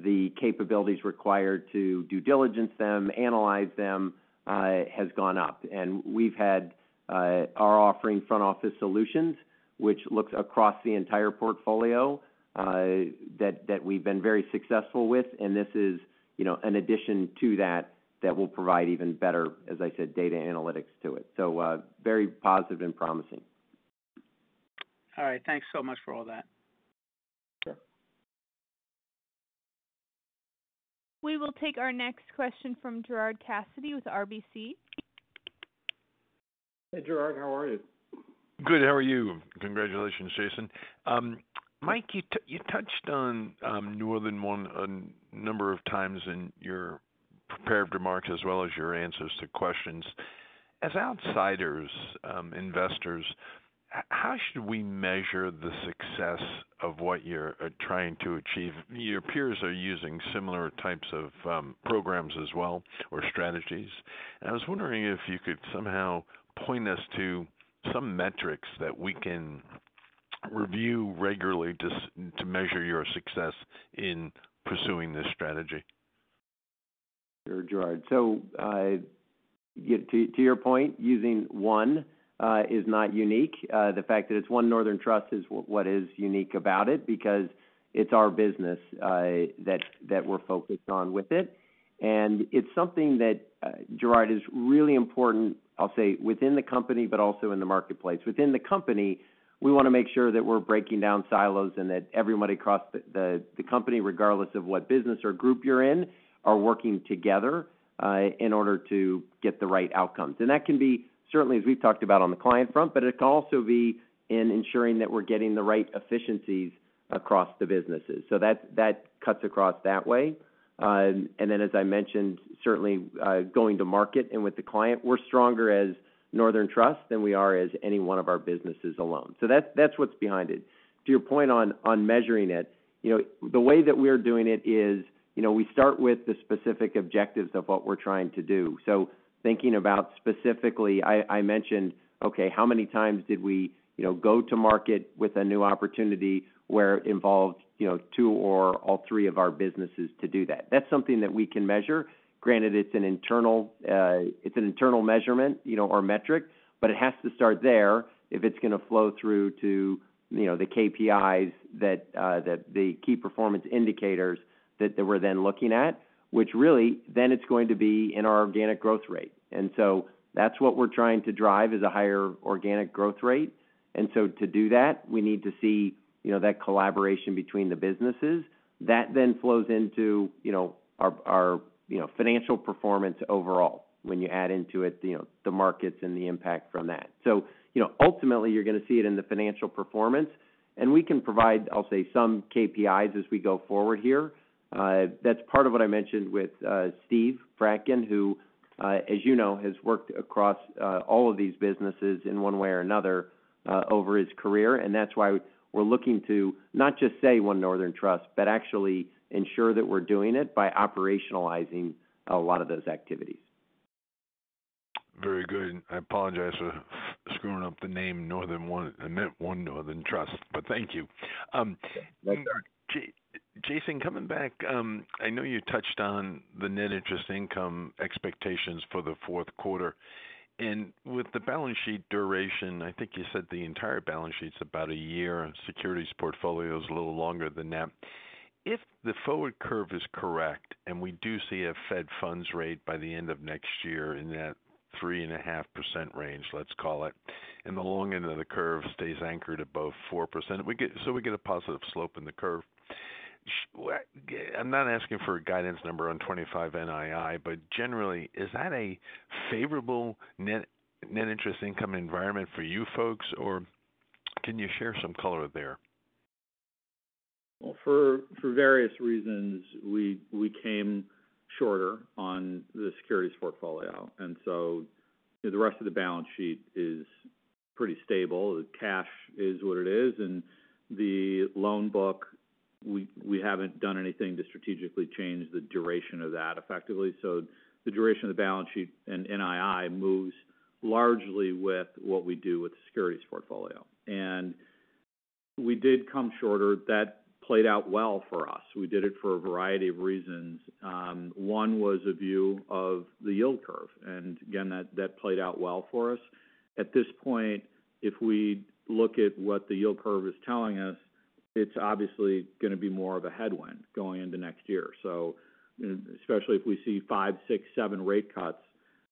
the capabilities required to due diligence them, analyze them, has gone up. We've had our offering, Front Office Solutions, which looks across the entire portfolio, that we've been very successful with. This is, you know, an addition to that that will provide even better, as I said, data analytics to it. Very positive and promising. All right. Thanks so much for all that. Sure. We will take our next question from Gerard Cassidy with RBC. Hey, Gerard, how are you? Good. How are you? Congratulations, Jason. Mike, you touched on Northern One a number of times in your prepared remarks, as well as your answers to questions. As outsiders, investors, how should we measure the success of what you're trying to achieve? Your peers are using similar types of programs as well, or strategies. I was wondering if you could somehow point us to some metrics that we can review regularly just to measure your success in pursuing this strategy.... Sure, Gerard. So, to your point, using one is not unique. The fact that it's One Northern Trust is what is unique about it, because it's our business that we're focused on with it. And it's something that, Gerard, is really important, I'll say, within the company, but also in the marketplace. Within the company, we want to make sure that we're breaking down silos and that everybody across the company, regardless of what business or group you're in, are working together in order to get the right outcomes. And that can be certainly, as we've talked about on the client front, but it can also be in ensuring that we're getting the right efficiencies across the businesses. So that cuts across that way. And then, as I mentioned, certainly, going to market and with the client, we're stronger as Northern Trust than we are as any one of our businesses alone. So that's what's behind it. To your point on measuring it, you know, the way that we're doing it is, you know, we start with the specific objectives of what we're trying to do. So thinking about specifically, I mentioned, okay, how many times did we, you know, go to market with a new opportunity where it involved, you know, two or all three of our businesses to do that? That's something that we can measure. Granted, it's an internal measurement, you know, or metric, but it has to start there if it's going to flow through to, you know, the KPIs that, that the key performance indicators that we're then looking at, which really, then it's going to be in our organic growth rate. And so that's what we're trying to drive, is a higher organic growth rate. And so to do that, we need to see, you know, that collaboration between the businesses. That then flows into, you know, our financial performance overall, when you add into it, you know, the markets and the impact from that. So, you know, ultimately, you're going to see it in the financial performance, and we can provide, I'll say, some KPIs as we go forward here. That's part of what I mentioned with Steve Fradkin, who, as you know, has worked across all of these businesses in one way or another over his career, and that's why we're looking to not just say One Northern Trust, but actually ensure that we're doing it by operationalizing a lot of those activities. Very good. I apologize for screwing up the name Northern One. I meant One Northern Trust, but thank you. Jason, coming back, I know you touched on the net interest income expectations for the Q4. And with the balance sheet duration, I think you said the entire balance sheet's about a year, and securities portfolio is a little longer than that. If the forward curve is correct, and we do see a Fed funds rate by the end of next year in that 3.5% range, let's call it, and the long end of the curve stays anchored above 4%, we get a positive slope in the curve. So what... I'm not asking for a guidance number on 25 NII, but generally, is that a favorable net, net interest income environment for you folks, or can you share some color there? For various reasons, we came shorter on the securities portfolio, and so the rest of the balance sheet is pretty stable. The cash is what it is, and the loan book, we haven't done anything to strategically change the duration of that effectively. The duration of the balance sheet and NII moves largely with what we do with the securities portfolio. We did come shorter. That played out well for us. We did it for a variety of reasons. One was a view of the yield curve, and again, that played out well for us. At this point, if we look at what the yield curve is telling us, it's obviously going to be more of a headwind going into next year. So especially if we see five, six, seven rate cuts,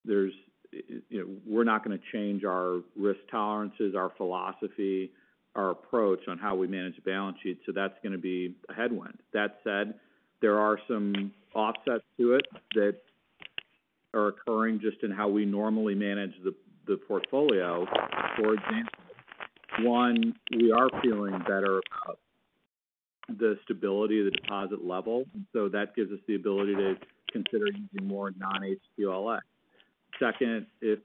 there's, you know, we're not going to change our risk tolerances, our philosophy, our approach on how we manage the balance sheet, so that's going to be a headwind. That said, there are some offsets to it that are occurring just in how we normally manage the portfolio. For example, one, we are feeling better about the stability of the deposit level, and so that gives us the ability to consider using more non-HQLA. Second, if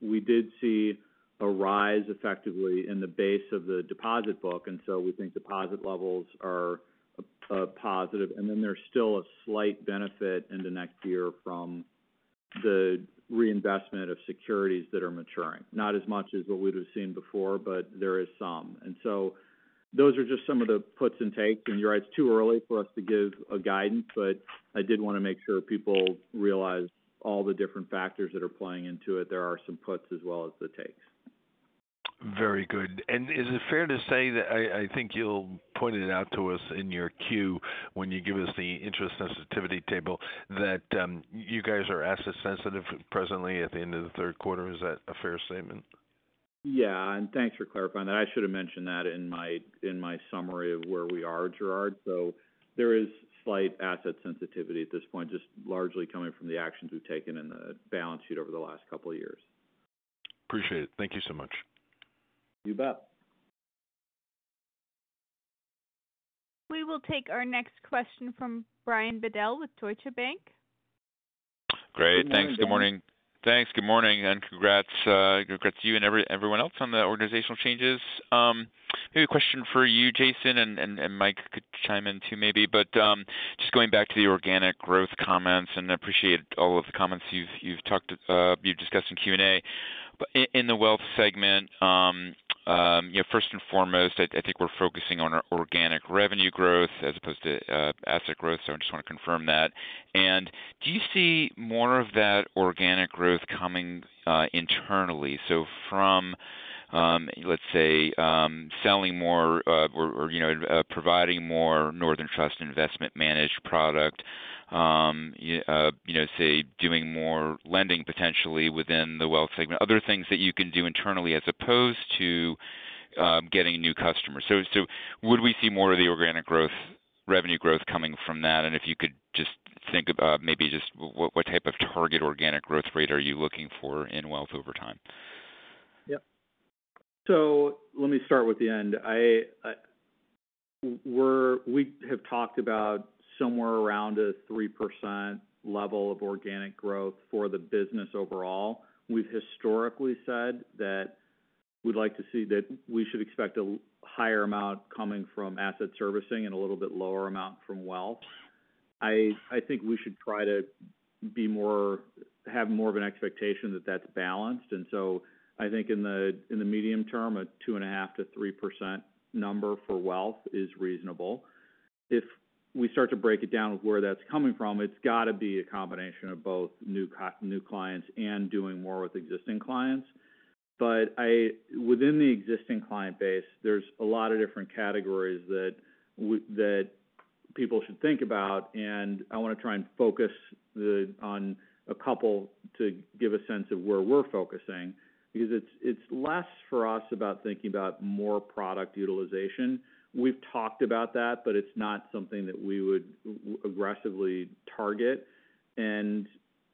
we did see a rise effectively in the base of the deposit book, and so we think deposit levels are positive, and then there's still a slight benefit into next year from the reinvestment of securities that are maturing. Not as much as what we'd have seen before, but there is some. So those are just some of the puts and takes. You're right, it's too early for us to give a guidance, but I did want to make sure that people realize all the different factors that are playing into it. There are some puts as well as the takes. Very good. Is it fair to say that I think you'll point it out to us in your Q when you give us the interest sensitivity table, that you guys are asset sensitive presently at the end of the Q3? Is that a fair statement? Yeah, and thanks for clarifying that. I should have mentioned that in my summary of where we are, Gerard. So there is slight asset sensitivity at this point, just largely coming from the actions we've taken in the balance sheet over the last couple of years. Appreciate it. Thank you so much. You bet. We will take our next question from Brian Bedell with Deutsche Bank. Great. Thanks, good morning. Thanks, good morning, and congrats to you and everyone else on the organizational changes. Maybe a question for you, Jason, and Mike could chime in, too, maybe. But just going back to the organic growth comments, and I appreciate all of the comments you've discussed in Q&A. But in the wealth segment, you know, first and foremost, I think we're focusing on our organic revenue growth as opposed to asset growth. So I just want to confirm that. And do you see more of that organic growth coming internally? So from, let's say, selling more, or, you know, providing more Northern Trust investment managed product, you, you know, say, doing more lending potentially within the wealth segment, other things that you can do internally as opposed to, getting new customers. So, would we see more of the organic growth, revenue growth coming from that? And if you could just think about maybe just what type of target organic growth rate are you looking for in wealth over time? Yep. So let me start with the end. We have talked about somewhere around a 3% level of organic growth for the business overall. We've historically said that we'd like to see that we should expect a higher amount coming from asset servicing and a little bit lower amount from wealth. I think we should try to be more have more of an expectation that that's balanced. And so I think in the medium term, a 2.5%-3% number for wealth is reasonable. If we start to break it down with where that's coming from, it's got to be a combination of both new clients and doing more with existing clients. But I... Within the existing client base, there's a lot of different categories that people should think about, and I want to try and focus on a couple to give a sense of where we're focusing, because it's less for us about thinking about more product utilization. We've talked about that, but it's not something that we would aggressively target. And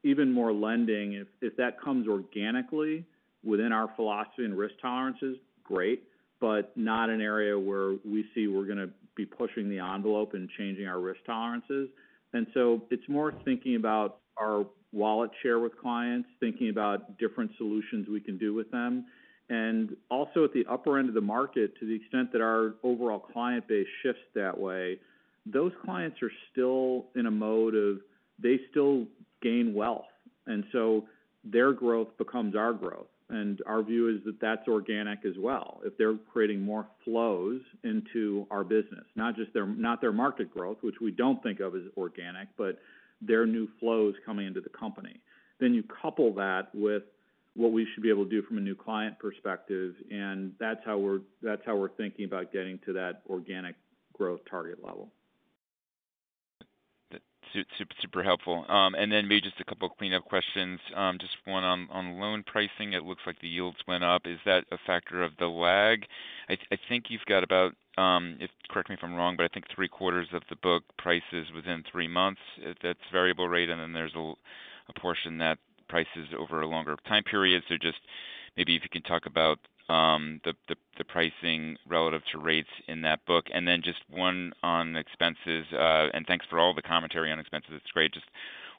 even more lending, if that comes organically within our philosophy and risk tolerances, great, but not an area where we see we're gonna be pushing the envelope and changing our risk tolerances. And so it's more thinking about our wallet share with clients, thinking about different solutions we can do with them. And also, at the upper end of the market, to the extent that our overall client base shifts that way, those clients are still in a mode of, they still gain wealth, and so their growth becomes our growth. And our view is that that's organic as well, if they're creating more flows into our business, not just their market growth, which we don't think of as organic, but their new flows coming into the company. Then you couple that with what we should be able to do from a new client perspective, and that's how we're thinking about getting to that organic growth target level. That's super helpful. And then maybe just a couple of cleanup questions. Just one on loan pricing. It looks like the yields went up. Is that a factor of the lag? I think you've got about, correct me if I'm wrong, but I think three-quarters of the book prices within three months, that's variable rate, and then there's a portion that prices over longer time periods. So just maybe if you can talk about the pricing relative to rates in that book. And then just one on expenses. And thanks for all the commentary on expenses. It's great. Just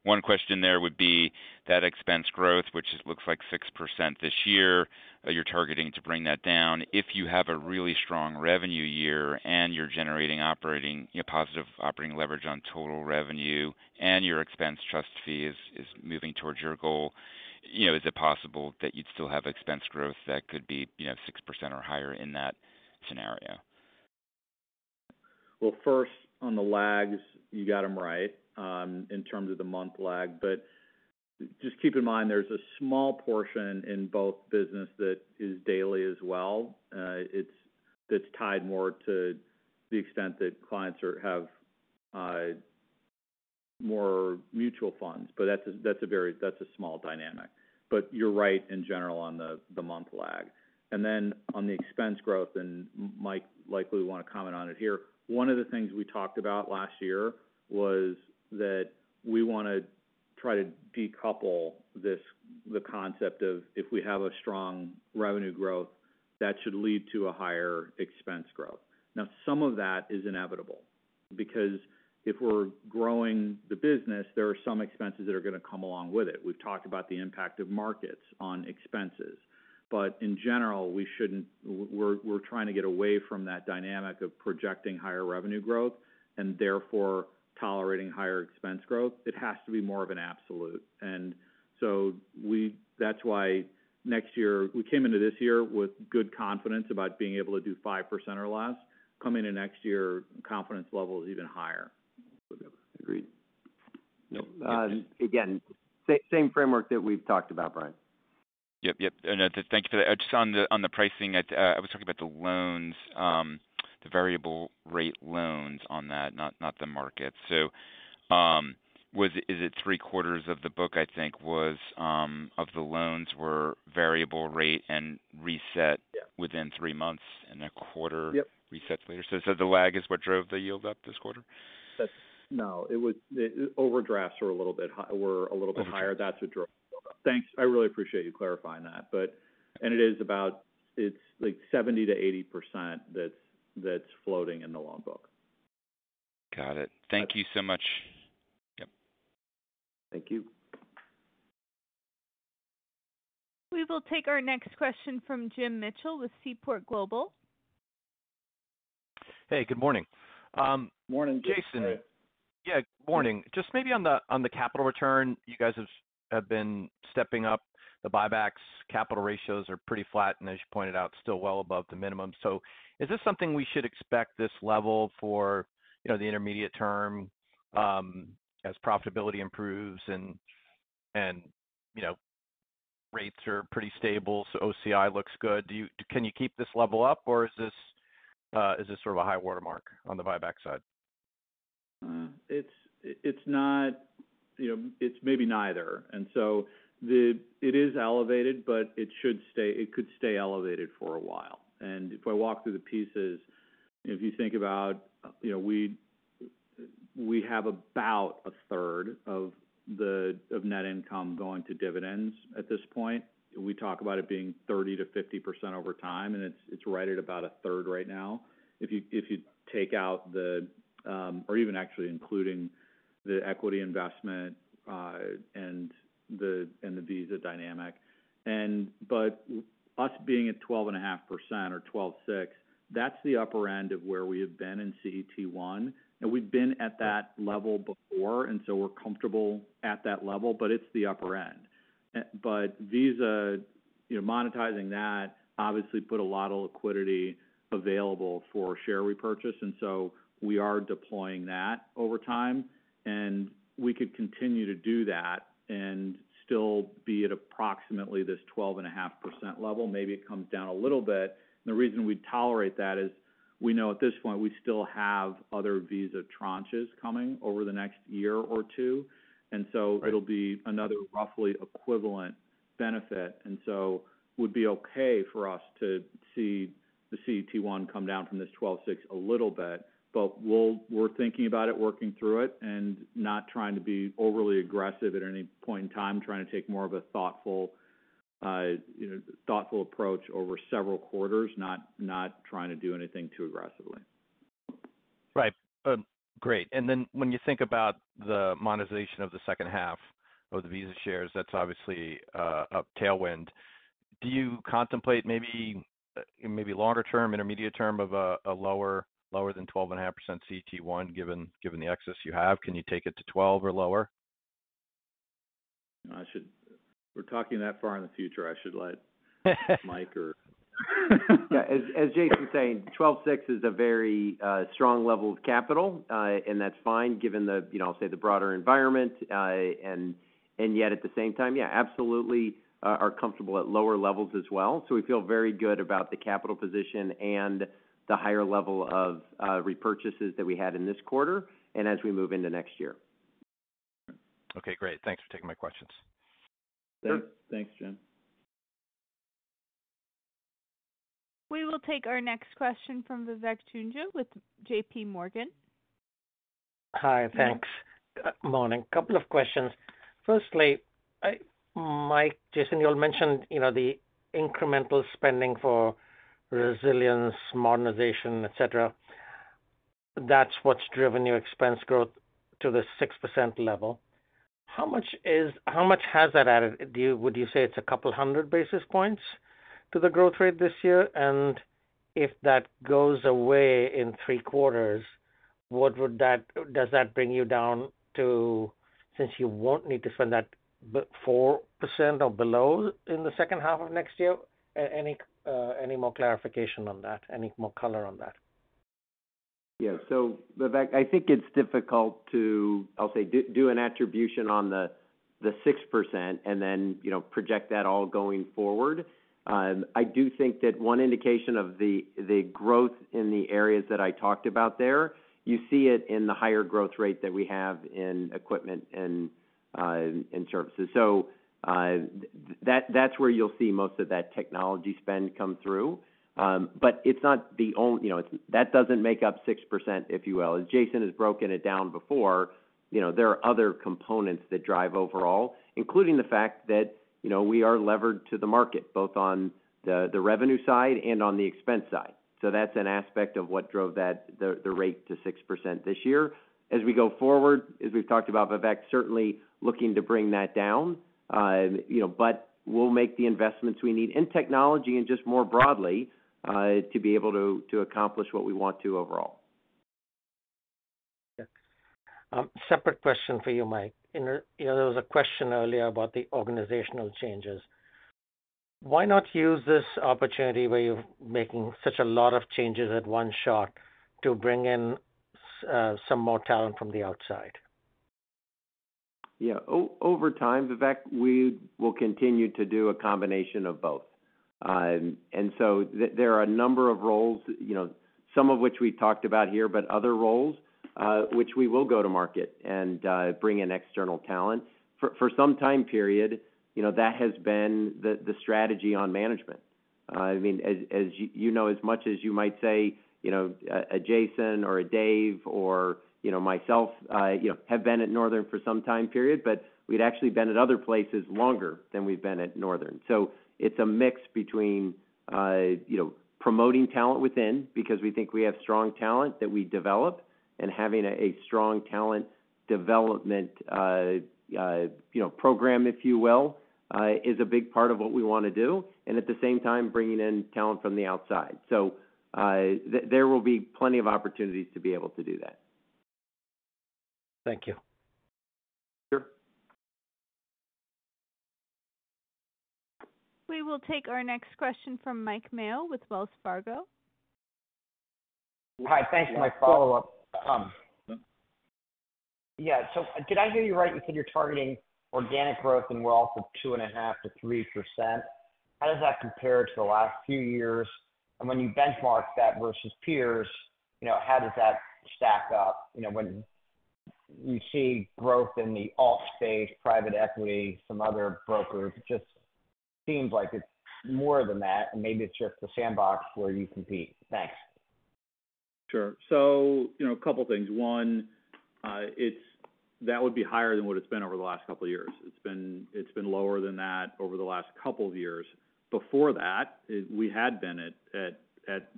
one question there would be that expense growth, which looks like 6% this year, you're targeting to bring that down. If you have a really strong revenue year and you're generating operating, you know, positive operating leverage on total revenue and your expense-to-fee is moving towards your goal, you know, is it possible that you'd still have expense growth that could be, you know, 6% or higher in that scenario? First, on the lags, you got them right, in terms of the month lag. But just keep in mind, there's a small portion in both business that is daily as well. It's tied more to the extent that clients have more mutual funds. But that's a very small dynamic. But you're right in general on the month lag. And then on the expense growth, and Mike likely want to comment on it here. One of the things we talked about last year was that we want to try to decouple the concept of if we have a strong revenue growth, that should lead to a higher expense growth. Now, some of that is inevitable, because if we're growing the business, there are some expenses that are going to come along with it. We've talked about the impact of markets on expenses, but in general, we shouldn't. We're trying to get away from that dynamic of projecting higher revenue growth and therefore tolerating higher expense growth. It has to be more of an absolute. And so that's why next year we came into this year with good confidence about being able to do 5% or less. Coming in next year, confidence level is even higher. Agreed. Again, same framework that we've talked about, Brian. Yep, yep. And thank you for that. Just on the pricing, I was talking about the loans, the variable rate loans on that, not the market, so is it three-quarters of the book, I think, of the loans were variable rate and reset- Yeah. within three months and a quarter Yep. Reset later. So, the lag is what drove the yield up this quarter? That's... No, it was overdrafts were a little bit higher. Okay. That's what drove. Thanks. I really appreciate you clarifying that. But, and it is about, it's like 70%-80% that's floating in the loan book. Got it. Thank you so much. Yep. Thank you. We will take our next question from Jim Mitchell with Seaport Global. Hey, good morning. Morning, Jason. Yeah, good morning. Just maybe on the capital return, you guys have been stepping up the buybacks. Capital ratios are pretty flat, and as you pointed out, still well above the minimum. So is this something we should expect this level for, you know, the intermediate term, as profitability improves and, you know, rates are pretty stable, so OCI looks good. Do you can you keep this level up, or is this sort of a high watermark on the buyback side? It's not, you know, it's maybe neither. So it is elevated, but it should stay it could stay elevated for a while. If I walk through the pieces, if you think about, you know, we have about a third of net income going to dividends at this point. We talk about it being 30%-50% over time, and it's right at about a third right now. If you take out the or even actually including the equity investment and the Visa dynamic. But us being at 12.5% or 12.6%, that's the upper end of where we have been in CET1, and we've been at that level before, and so we're comfortable at that level, but it's the upper end. But Visa, you know, monetizing that obviously put a lot of liquidity available for share repurchase, and so we are deploying that over time, and we could continue to do that and still be at approximately this 12.5% level. Maybe it comes down a little bit. The reason we tolerate that is we know at this point we still have other Visa tranches coming over the next year or two, and so- Right. It'll be another roughly equivalent benefit, and so would be okay for us to see the CET1 come down from this 12.6% a little bit. But we're thinking about it, working through it, and not trying to be overly aggressive at any point in time, trying to take more of a thoughtful, you know, thoughtful approach over several quarters, not trying to do anything too aggressively. Right. Great. And then when you think about the monetization of the second half of the Visa shares, that's obviously a tailwind. Do you contemplate maybe longer term, intermediate term of a lower than 12.5% CET1, given the excess you have? Can you take it to 12 or lower? I should... If we're talking that far in the future, I should let Mike or... Yeah. As Jason saying, 12.6% is a very strong level of capital, and that's fine given the, you know, say, the broader environment, and yet at the same time, yeah, absolutely, are comfortable at lower levels as well. So we feel very good about the capital position and the higher level of repurchases that we had in this quarter and as we move into next year. Okay, great. Thanks for taking my questions. Sure. Thanks, John. We will take our next question from Vivek Juneja with JPMorgan. Hi. Thanks. Morning. A couple of questions. Firstly, Mike, Jason, you all mentioned, you know, the incremental spending for resilience, modernization, et cetera. That's what's driven your expense growth to the 6% level. How much has that added? Would you say it's a couple hundred basis points to the growth rate this year? And if that goes away in three quarters, what would that does that bring you down to, since you won't need to spend that 4% or below in the second half of next year? Any more clarification on that? Any more color on that? Yeah. So, Vivek, I think it's difficult to, I'll say, do an attribution on the 6% and then, you know, project that all going forward. I do think that one indication of the growth in the areas that I talked about there, you see it in the higher growth rate that we have in equipment and in services. So, that's where you'll see most of that technology spend come through. But it's not, you know, it's that doesn't make up 6%, if you will. As Jason has broken it down before, you know, there are other components that drive overall, including the fact that, you know, we are levered to the market, both on the revenue side and on the expense side. So that's an aspect of what drove that, the rate to 6% this year. As we go forward, as we've talked about, Vivek, certainly looking to bring that down. You know, but we'll make the investments we need in technology and just more broadly, to be able to, to accomplish what we want to overall. Yeah. Separate question for you, Mike. You know, there was a question earlier about the organizational changes. Why not use this opportunity where you're making such a lot of changes at one shot to bring in some more talent from the outside? Yeah. Over time, Vivek, we will continue to do a combination of both. And so there are a number of roles, you know, some of which we talked about here, but other roles which we will go to market and bring in external talent. For some time period, you know, that has been the strategy on management. I mean, as you know, as much as you might say, you know, a Jason or a Dave or myself have been at Northern for some time period, but we'd actually been at other places longer than we've been at Northern. So it's a mix between, you know, promoting talent within, because we think we have strong talent that we develop and having a strong talent development, you know, program, if you will, is a big part of what we want to do, and at the same time bringing in talent from the outside. So, there will be plenty of opportunities to be able to do that. Thank you. Sure. We will take our next question from Mike Mayo with Wells Fargo. Hi, thanks for my follow-up. Yeah, so did I hear you right? You said you're targeting organic growth in wealth of 2.5%-3%. How does that compare to the last few years? And when you benchmark that versus peers, you know, how does that stack up? You know, when you see growth in the alt space, private equity, some other brokers, it just seems like it's more than that, and maybe it's just the sandbox where you compete. Thanks. Sure. So, you know, a couple of things. One, it's. That would be higher than what it's been over the last couple of years. It's been lower than that over the last couple of years. Before that, we had been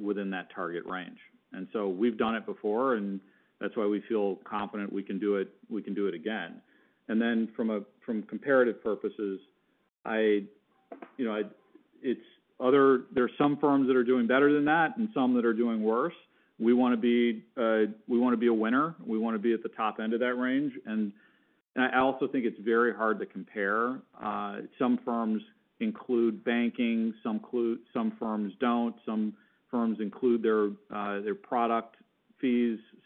within that target range. And so we've done it before, and that's why we feel confident we can do it, we can do it again. And then from comparative purposes, you know, there are some firms that are doing better than that and some that are doing worse. We want to be, we want to be a winner. We want to be at the top end of that range. And I also think it's very hard to compare. Some firms include banking, some firms don't. Some firms include their product fees,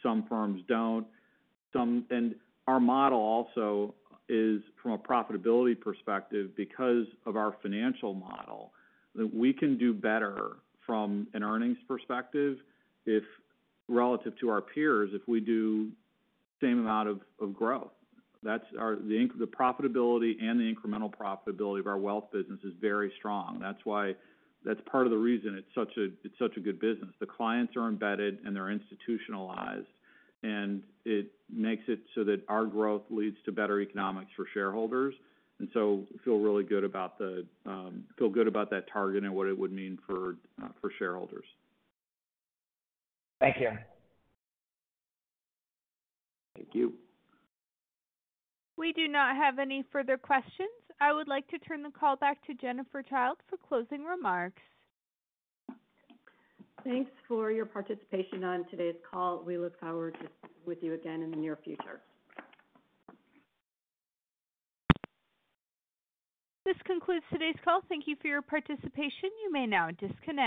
some firms don't, and our model also is from a profitability perspective, because of our financial model, that we can do better from an earnings perspective, if relative to our peers, if we do the same amount of growth. That's our profitability and the incremental profitability of our wealth business is very strong. That's why, that's part of the reason it's such a good business. The clients are embedded and they're institutionalized, and it makes it so that our growth leads to better economics for shareholders, and so we feel really good about that target and what it would mean for shareholders. Thank you. Thank you. We do not have any further questions. I would like to turn the call back to Jennifer Childe for closing remarks. Thanks for your participation on today's call. We look forward to speaking with you again in the near future. This concludes today's call. Thank you for your participation. You may now disconnect.